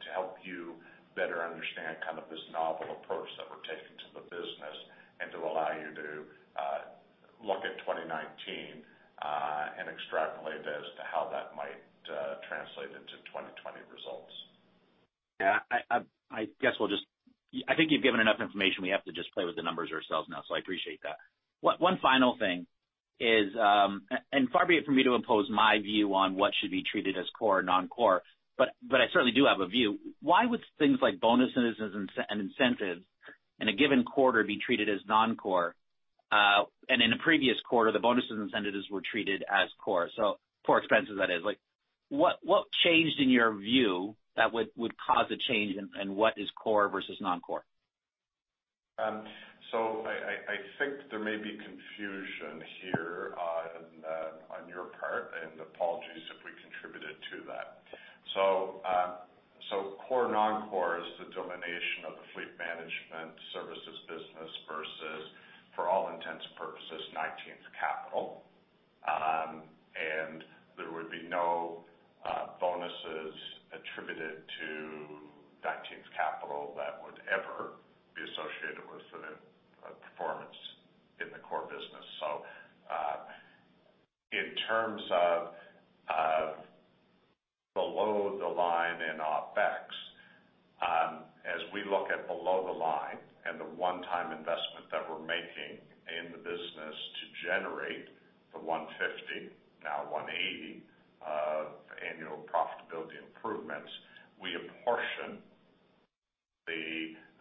to help you better understand kind of this novel approach that we're taking to the business and to allow you to look at 2019 and extrapolate as to how that might translate into 2020 results. Yeah. I think you've given enough information. We have to just play with the numbers ourselves now, so I appreciate that. One final thing is, and far be it for me to impose my view on what should be treated as core or non-core, but I certainly do have a view. Why would things like bonuses and incentives in a given quarter be treated as non-core, and in a previous quarter, the bonuses, incentives were treated as core? Core expenses, that is. What changed in your view that would cause a change in what is core versus non-core? I think there may be confusion here on your part, and apologies if we contributed to that. Core/non-core is the delineation of the fleet management services business versus, for all intents and purposes, 19th Capital. There would be no bonuses attributed to 19th Capital that would ever be associated with performance in the core business. In terms of below the line in OpEx, as we look at below the line and the one-time investment that we're making in the business to generate the 150, now 180 of annual profitability improvements, we apportion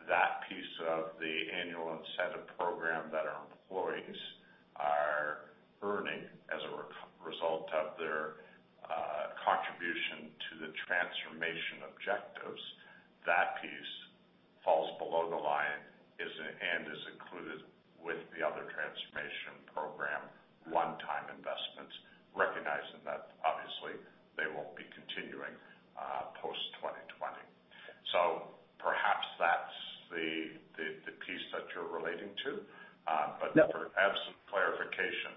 that piece of the annual incentive program that our employees are earning as a result of their contribution to the transformation objectives. That piece falls below the line and is included with the other transformation program one-time investments, recognizing that obviously they won't be continuing post-2020. Perhaps that's the piece that you're relating to. For absolute clarification,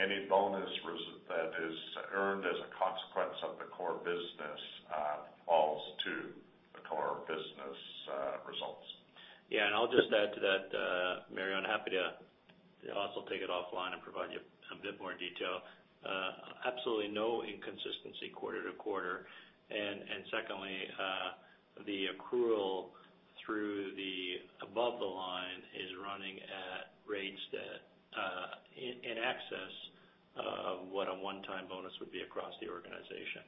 any bonus that is earned as a consequence of the core business falls to the core business results. Yeah, I'll just add to that, Mario, happy to also take it offline and provide you a bit more detail. Absolutely no inconsistency quarter to quarter. Secondly, the accrual through the above the line is running at rates that in excess of what a one-time bonus would be across the organization.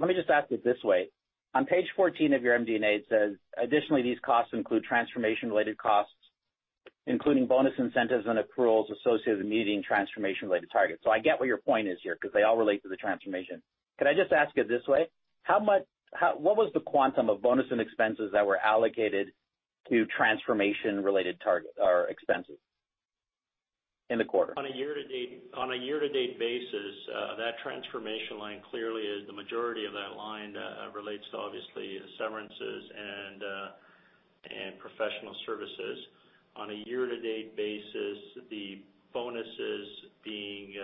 Let me just ask it this way. On page 14 of your MD&A it says, "Additionally, these costs include transformation related costs, including bonus incentives and accruals associated with meeting transformation related targets." I get what your point is here because they all relate to the transformation. Can I just ask it this way? What was the quantum of bonus and expenses that were allocated to transformation related target or expenses? In the quarter. On a year-to-date basis, that transformation line clearly is the majority of that line relates to obviously severances and professional services. On a year-to-date basis, the bonuses being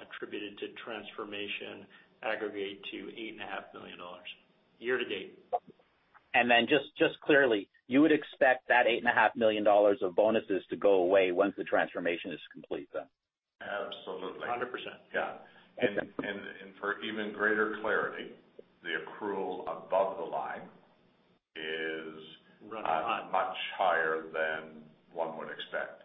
attributed to transformation aggregate to 8.5 million dollars. Year-to-date. Just clearly, you would expect that 8.5 million dollars of bonuses to go away once the transformation is complete, then? Absolutely. 100%. Yeah. Okay. For even greater clarity, the accrual above the line is. Running hot. Much higher than one would expect.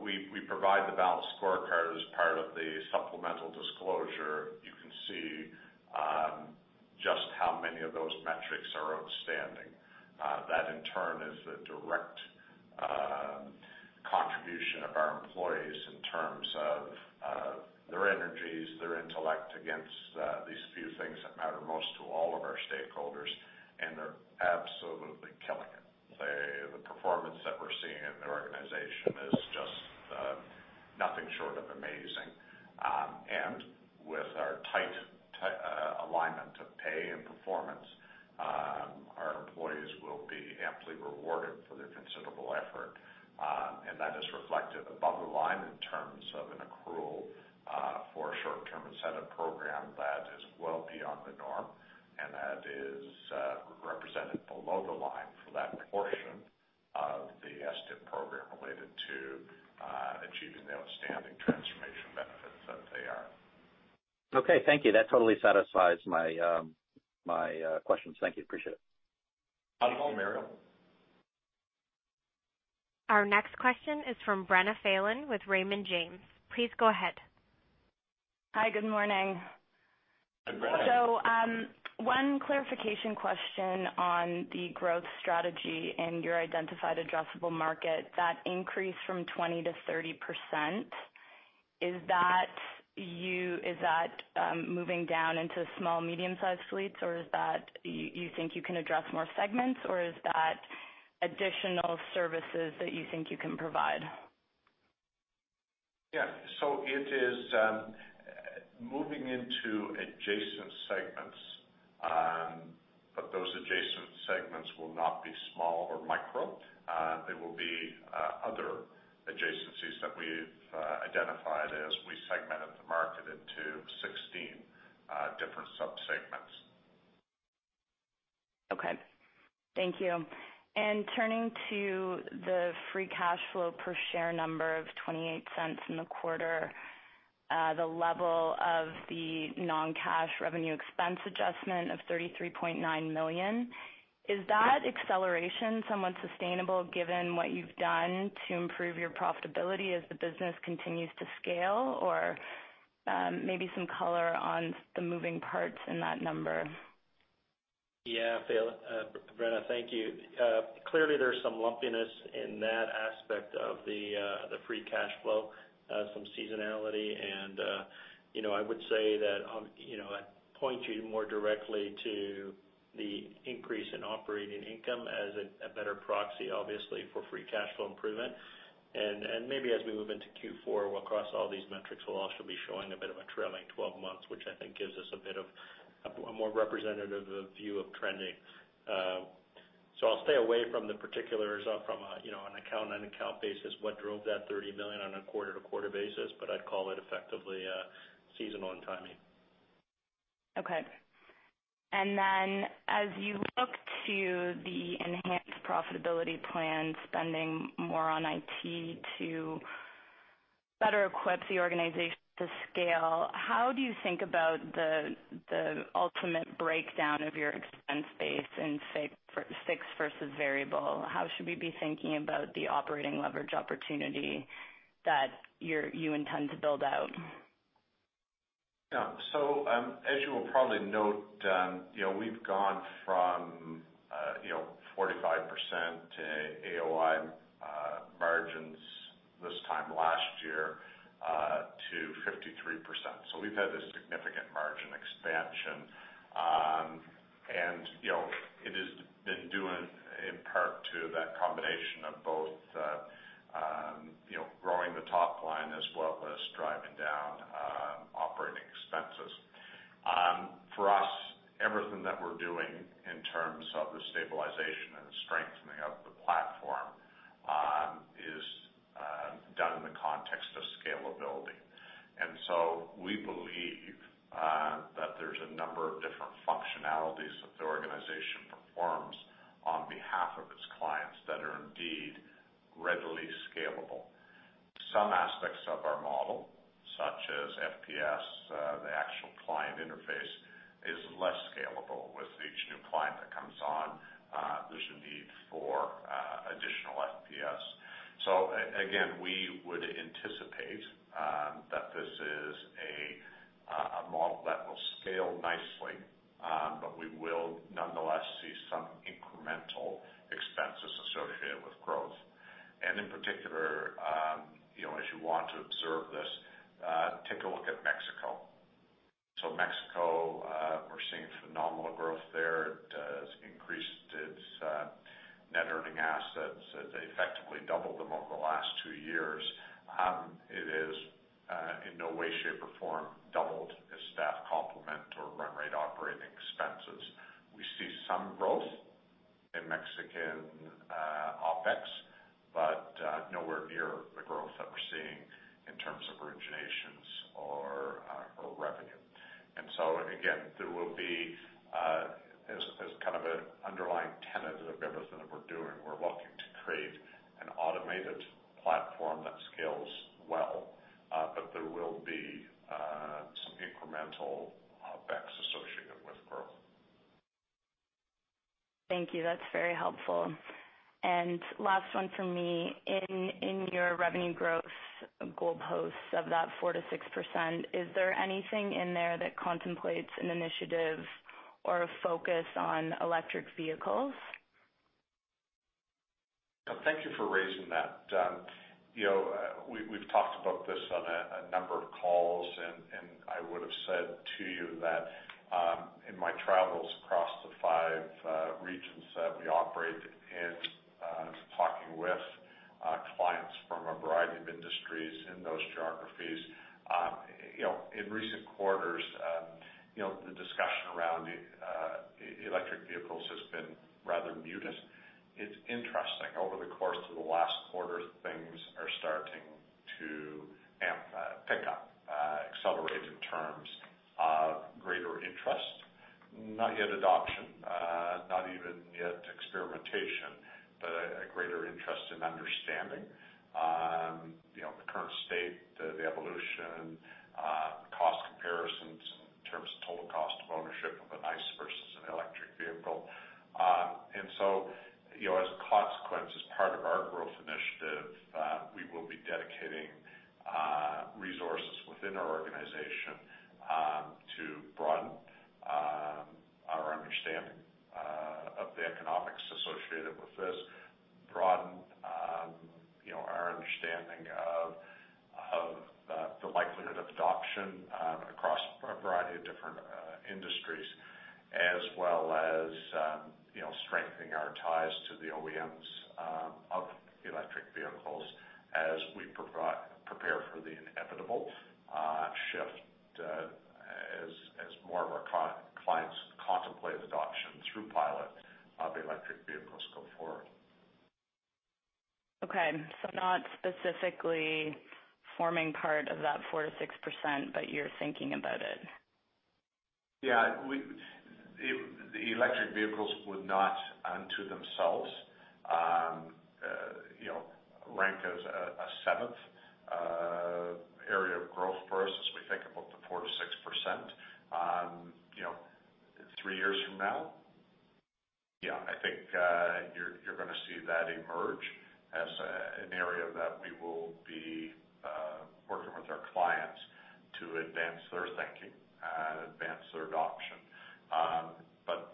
We provide the balanced scorecard as part of the supplemental disclosure. You can see just how many of those metrics are outstanding. That in turn is the direct contribution of our employees in terms of their energies, their intellect against these few things that matter most to all of our stakeholders, and they're absolutely killing it. The performance that we're seeing in the organization is just nothing short of amazing. With our tight alignment of pay and performance, our employees will be amply rewarded for their considerable effort. That is reflected above the line in terms of an accrual for a short-term incentive program that is well beyond the norm, and that is represented below the line for that portion of the STIP program related to achieving the outstanding transformation benefits as they are. Okay, thank you. That totally satisfies my questions. Thank you, appreciate it. Welcome. Mario. Our next question is from Brenna Phelan with Raymond James. Please go ahead. Hi, good morning. Hi, Brenna. One clarification question on the growth strategy and your identified addressable market. That increase from 20% to 30%, is that moving down into small, medium-sized fleets, or is that you think you can address more segments, or is that additional services that you think you can provide? Yeah. It is moving into adjacent segments. Those adjacent segments will not be small or micro. They will be other adjacencies that we've identified as we segmented the market into 16 different sub-segments. Okay. Thank you. Turning to the free cash flow per share number of 0.28 in the quarter, the level of the non-cash revenue expense adjustment of 33.9 million, is that acceleration somewhat sustainable given what you've done to improve your profitability as the business continues to scale? Or maybe some color on the moving parts in that number. Yeah, Phelan. Brenna, thank you. Clearly, there's some lumpiness in that aspect of the free cash flow, some seasonality, and I would say that I'd point you more directly to the increase in operating income as a better proxy, obviously, for free cash flow improvement. Maybe as we move into Q4, across all these metrics, we'll also be showing a bit of a trailing 12 months, which I think gives us a more representative view of trending. I'll stay away from the particulars from an account basis, what drove that 30 million on a quarter-to-quarter basis, but I'd call it effectively seasonal and timing. Okay. As you look to the Enhanced Profitability Plan, spending more on IT to better equip the organization to scale, how do you think about the ultimate breakdown of your expense base in fixed versus variable? How should we be thinking about the operating leverage opportunity that you intend to build out? Yeah. As you will probably note, we've gone from 45% to AOI margins this time last year to 53%. We've had this significant margin expansion. It has been due in part to that combination of both growing the top line as well as driving down operating expenses. For us, everything that we're doing in terms of the stabilization and the strengthening of the platform is done in the context of scalability. We believe that there's a number of different functionalities that the organization performs on behalf of its clients that are indeed readily scalable. Some aspects of our model, such as FPS, the actual client interface, is less scalable. With each new client that comes on, there's a need for additional FPS. Again, we would anticipate that this is a model that will scale nicely, but we will nonetheless see some incremental expenses associated with growth. In particular, as you want to observe this, take a look at Mexico. We're seeing phenomenal growth there. It has increased its net earning assets as they effectively doubled them over the last two years. It has in no way, shape, or form doubled its staff complement or run rate operating expenses. We see some growth in Mexican OpEx, but nowhere near the growth that we're seeing in terms of originations or revenue. Again, there will be, as kind of an underlying tenet of everything that we're doing, we're looking to create an automated platform that scales well, but there will be some incremental OpEx associated with growth. Thank you. That's very helpful. Last one from me. In your revenue growth goalposts of that 4%-6%, is there anything in there that contemplates an initiative or a focus on electric vehicles? Thank you for raising that. We've talked about this on a number of calls, and I would've said to you that in my travels across the five regions that we operate in, talking with clients from a variety of industries in those geographies. In recent quarters, the discussion around electric vehicles has been rather muted. It's interesting, over the course of the last quarter, things are starting to pick up, accelerate in terms of greater interest. Not yet adoption, not even yet experimentation, but a greater interest in understanding the current state, the evolution, cost comparisons in terms of total cost of ownership of an ICE versus an electric vehicle. As a consequence, as part of our growth initiative, we will be dedicating resources within our organization to broaden our understanding of the economics associated with this. Broaden our understanding of the likelihood of adoption across a variety of different industries as well as strengthening our ties to the OEMs of electric vehicles as we prepare for the inevitable shift as more of our clients contemplate adoption through pilot of electric vehicles going forward. Okay. Not specifically forming part of that 4%-6%, but you're thinking about it. Yeah. The electric vehicles would not unto themselves rank as a seventh area of growth for us as we think about the 4%-6%. Three years from now, yeah, I think you're going to see that emerge as an area that we will be working with our clients to advance their thinking and advance their adoption.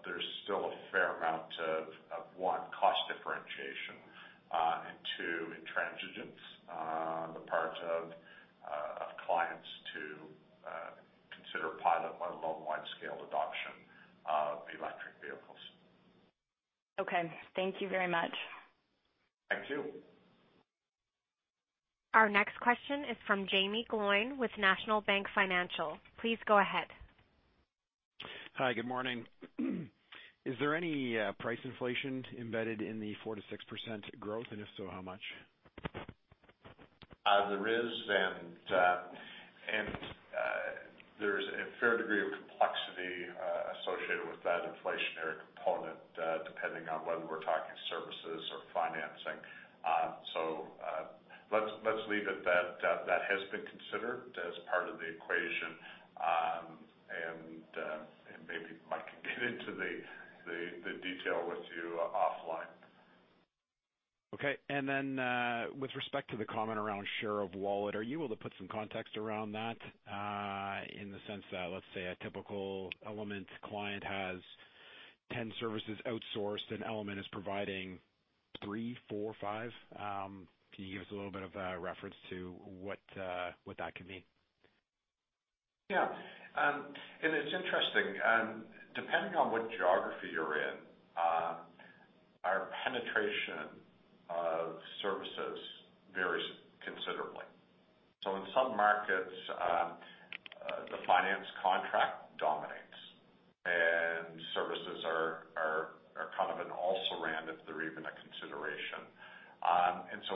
There's still a fair amount of, one, cost differentiation, and two, intransigence on the part of clients to consider pilot, let alone wide-scale adoption of electric vehicles. Okay. Thank you very much. Thank you. Our next question is from Jaeme Gloyn with National Bank Financial. Please go ahead. Hi. Good morning. Is there any price inflation embedded in the 4%-6% growth? If so, how much? There is, and there's a fair degree of complexity associated with that inflationary component, depending on whether we're talking services or financing. Let's leave it that that has been considered as part of the equation, and maybe Mike can get into the detail with you offline. Okay. Then, with respect to the comment around share of wallet, are you able to put some context around that in the sense that, let's say a typical Element client has 10 services outsourced, and Element is providing three, four, five? Can you give us a little bit of a reference to what that can mean? Yeah. It's interesting. Depending on what geography you're in, our penetration of services varies considerably. In some markets, the finance contract dominates, and services are kind of an also-ran if they're even a consideration.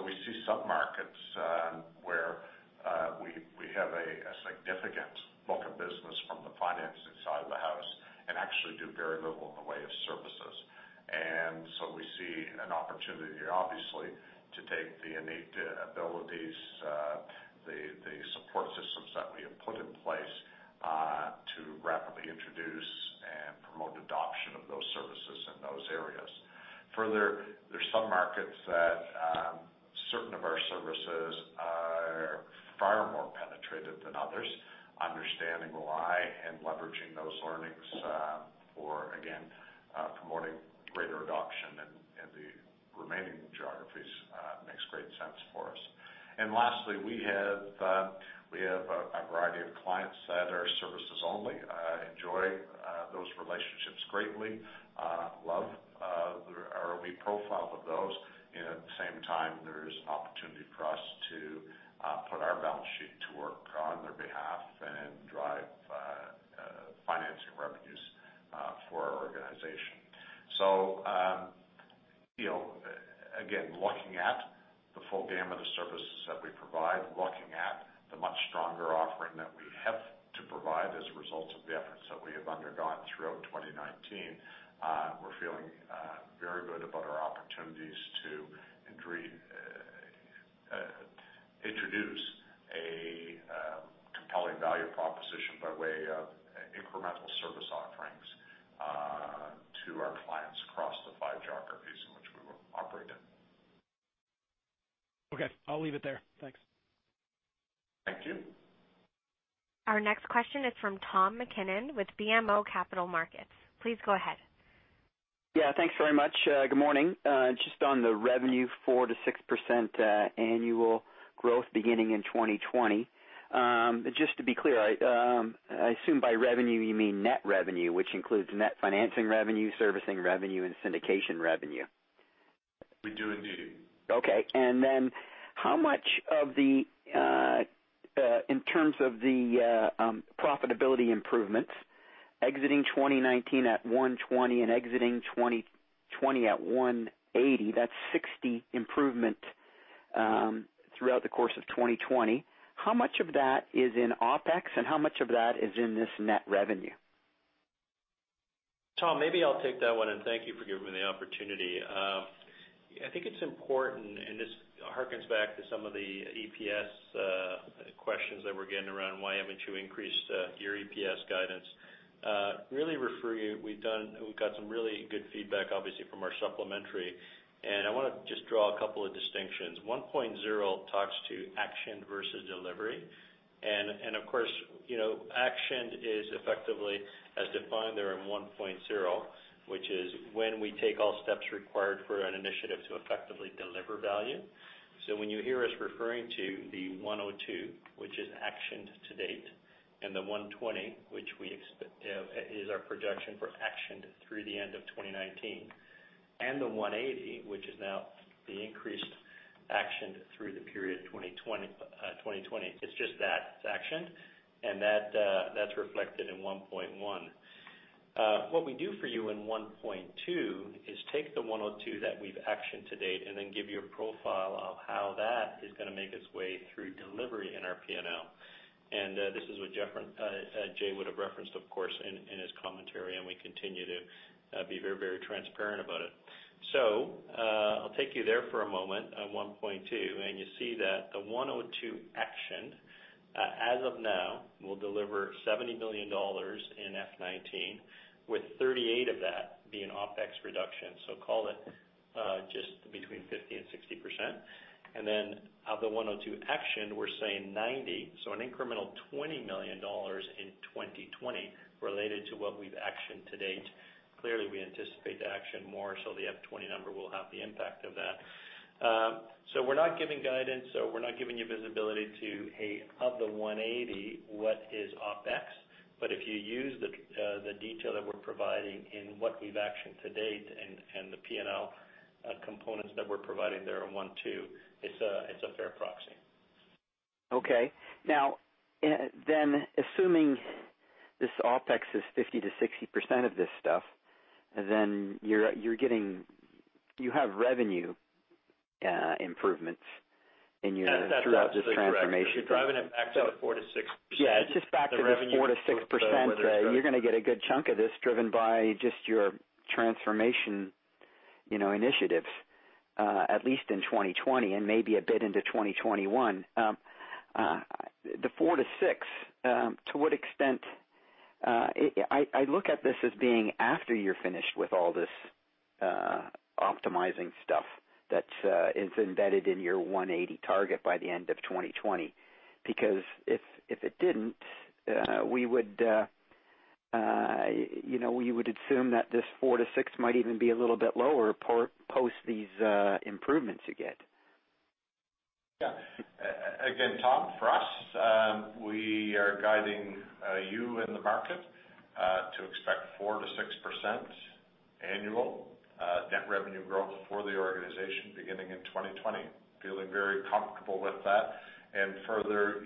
We see some markets where we have a significant book of business from the financing side of the house and actually do very little in the way of services. We see an opportunity, obviously, to take the innate abilities, the support systems that we have put in place, to rapidly introduce and promote adoption of those services in those areas. Further, there's some markets that certain of our services are far more penetrated than others. Understanding why and leveraging those learnings. Again, promoting greater adoption in the remaining geographies makes great sense for us. Lastly, we have a variety of clients that are services only. Enjoy those relationships greatly. Love our profile with those and at the same time, there is an opportunity for us to put our balance sheet to work on their behalf and drive financing revenues for our organization. Again, looking at the full gamut of services that we provide, looking at the much stronger offering that we have to provide as a result of the efforts that we have undergone throughout 2019. We're feeling very good about our opportunities to introduce a compelling value proposition by way of incremental service offerings to our clients across the five geographies in which we operate in. Okay. I'll leave it there. Thanks. Thank you. Our next question is from Tom MacKinnon with BMO Capital Markets. Please go ahead. Yeah. Thanks very much. Good morning. Just on the revenue 4%-6% annual growth beginning in 2020. Just to be clear, I assume by revenue you mean net revenue, which includes net financing revenue, servicing revenue, and syndication revenue. We do indeed. Okay. How much of the, in terms of the profitability improvements exiting 2019 at 120 and exiting 2020 at 180, that's 60 improvement throughout the course of 2020. How much of that is in OpEx and how much of that is in this net revenue? Tom, maybe I'll take that one. Thank you for giving me the opportunity. I think it's important. This hearkens back to some of the EPS questions that we're getting around why haven't you increased your EPS guidance? We've got some really good feedback, obviously, from our supplementary. I want to just draw a couple of distinctions. 1.0 talks to action versus delivery. Of course, action is effectively as defined there in 1.0, which is when we take all steps required for an initiative to effectively deliver value. When you hear us referring to the 102, which is actioned to date, and the 120, which is our projection for actioned through the end of 2019, and the 180, which is now the increased actioned through the period 2020, it's just that, it's actioned, and that's reflected in 1.1. What we do for you in 1.2 is take the 102 that we've actioned to date and then give you a profile of how that is going to make its way through delivery in our P&L. This is what Jay would've referenced, of course, in his commentary, and we continue to be very transparent about it. I'll take you there for a moment on 1.2, and you see that the 102 actioned as of now will deliver 70 million dollars in FY 2019, with 38 of that being OpEx reduction. Call it just between 50% and 60%. Of the 102 actioned, we're saying 90, so an incremental 20 million dollars in 2020 related to what we've actioned to date. Clearly, we anticipate to action more, so the FY 2020 number will have the impact of that. We're not giving guidance, so we're not giving you visibility to, hey, of the 180, what is OpEx? If you use the detail that we're providing in what we've actioned to date and the P&L components that we're providing there in 1.2, it's a fair proxy. Okay. Assuming this OpEx is 50%-60% of this stuff, you have revenue improvements. Yeah, just back to this 4%-6%. You're going to get a good chunk of this driven by just your transformation initiatives at least in 2020 and maybe a bit into 2021. The 4%-6%, I look at this as being after you're finished with all this optimizing stuff that is embedded in your 180 target by the end of 2020. If it didn't, we would assume that this 4%-6% might even be a little bit lower post these improvements you get. Yeah. Again, Tom, for us, we are guiding you and the market to expect 4%-6% annual net revenue growth for the organization beginning in 2020. Feeling very comfortable with that, and further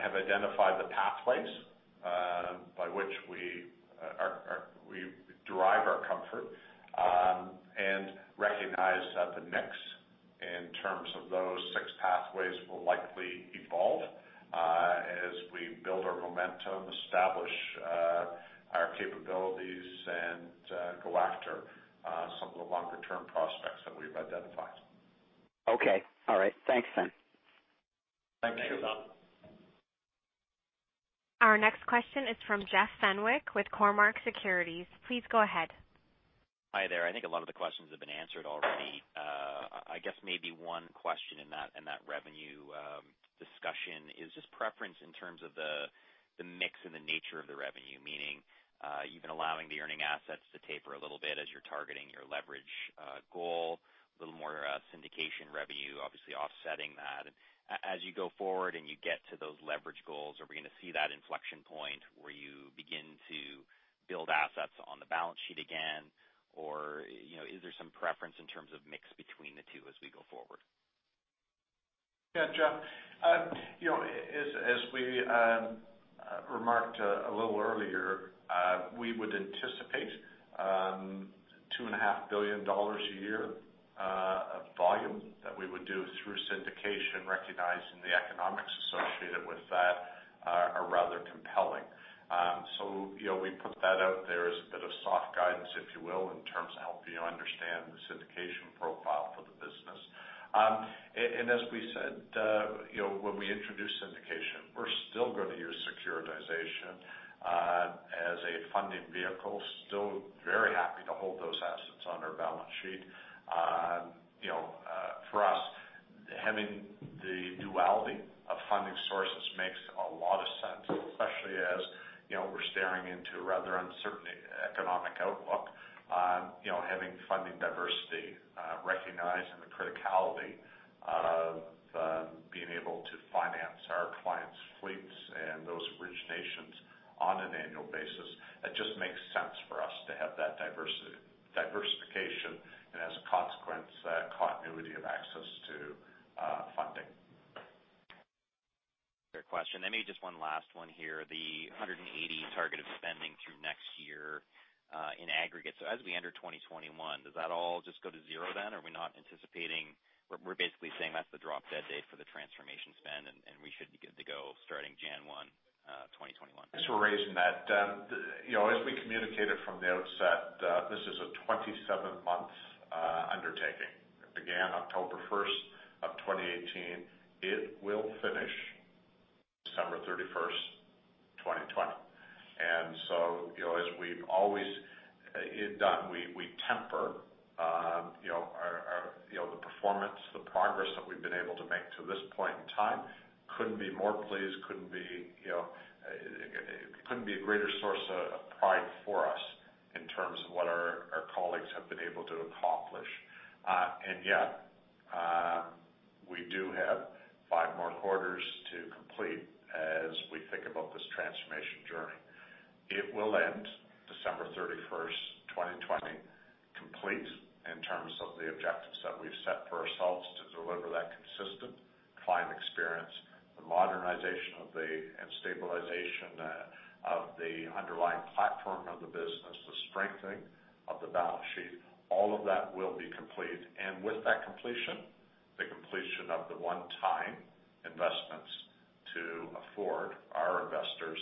have identified the pathways by which we derive our comfort. Recognize that the mix in terms of those six pathways will likely evolve as we build our momentum, establish our capabilities, and go after some of the longer-term prospects that we've identified. Okay. All right. Thanks then. Thank you. Our next question is from Jeff Fenwick with Cormark Securities. Please go ahead. Hi there. I think a lot of the questions have been answered already. I guess maybe one question in that revenue discussion is just preference in terms of the mix and the nature of the revenue. Meaning, you've been allowing the earning assets to taper a little bit as you're targeting your leverage goal. A little more syndication revenue, obviously offsetting that. As you go forward and you get to those leverage goals, are we going to see that inflection point where you begin to build assets on the balance sheet again? Is there some preference in terms of mix between the two as we go forward? Yeah, Jeff. As we remarked a little earlier, we would anticipate 2.5 billion dollars a year of volume that we would do through syndication, recognizing the economics associated with that are rather compelling. We put that out there as a bit of soft guidance, if you will, in terms of helping you understand the syndication profile for the business. As we said when we introduced syndication, we're still going to use securitization as a funding vehicle. Still very happy to hold those assets on our balance sheet. For us, having the duality of funding sources makes a lot of sense, especially as we're staring into a rather uncertain economic outlook. Having funding diversity, recognizing the criticality of being able to finance our clients' fleets and those originations on an annual basis, it just makes sense for us to have that diversification, and as a consequence, continuity of access to funding. Great question. Maybe just one last one here. The 180 target of spending through next year in aggregate. As we enter 2021, does that all just go to zero? Are we not anticipating? We're basically saying that's the drop-dead date for the transformation spend, and we should be good to go starting January 1, 2021. Thanks for raising that. As we communicated from the outset, this is a 27-month undertaking. It began October 1st of 2018. It will finish December 31st, 2020. As we've always done, we temper the performance, the progress that we've been able to make to this point in time. Couldn't be more pleased, couldn't be a greater source of pride for us in terms of what our colleagues have been able to accomplish. We do have five more quarters to complete as we think about this transformation journey. It will end December 31st, 2020, complete in terms of the objectives that we've set for ourselves to deliver that consistent client experience, the modernization and stabilization of the underlying platform of the business, the strengthening of the balance sheet. All of that will be complete. With that completion, the completion of the one-time investments to afford our investors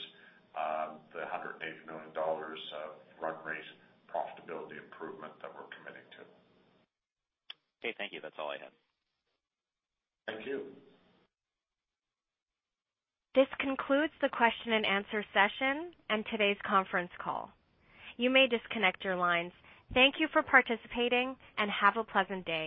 the 180 million dollars of run rate profitability improvement that we're committing to. Okay, thank you. That's all I had. Thank you. This concludes the question-and-answer session and today's conference call. You may disconnect your lines. Thank you for participating and have a pleasant day.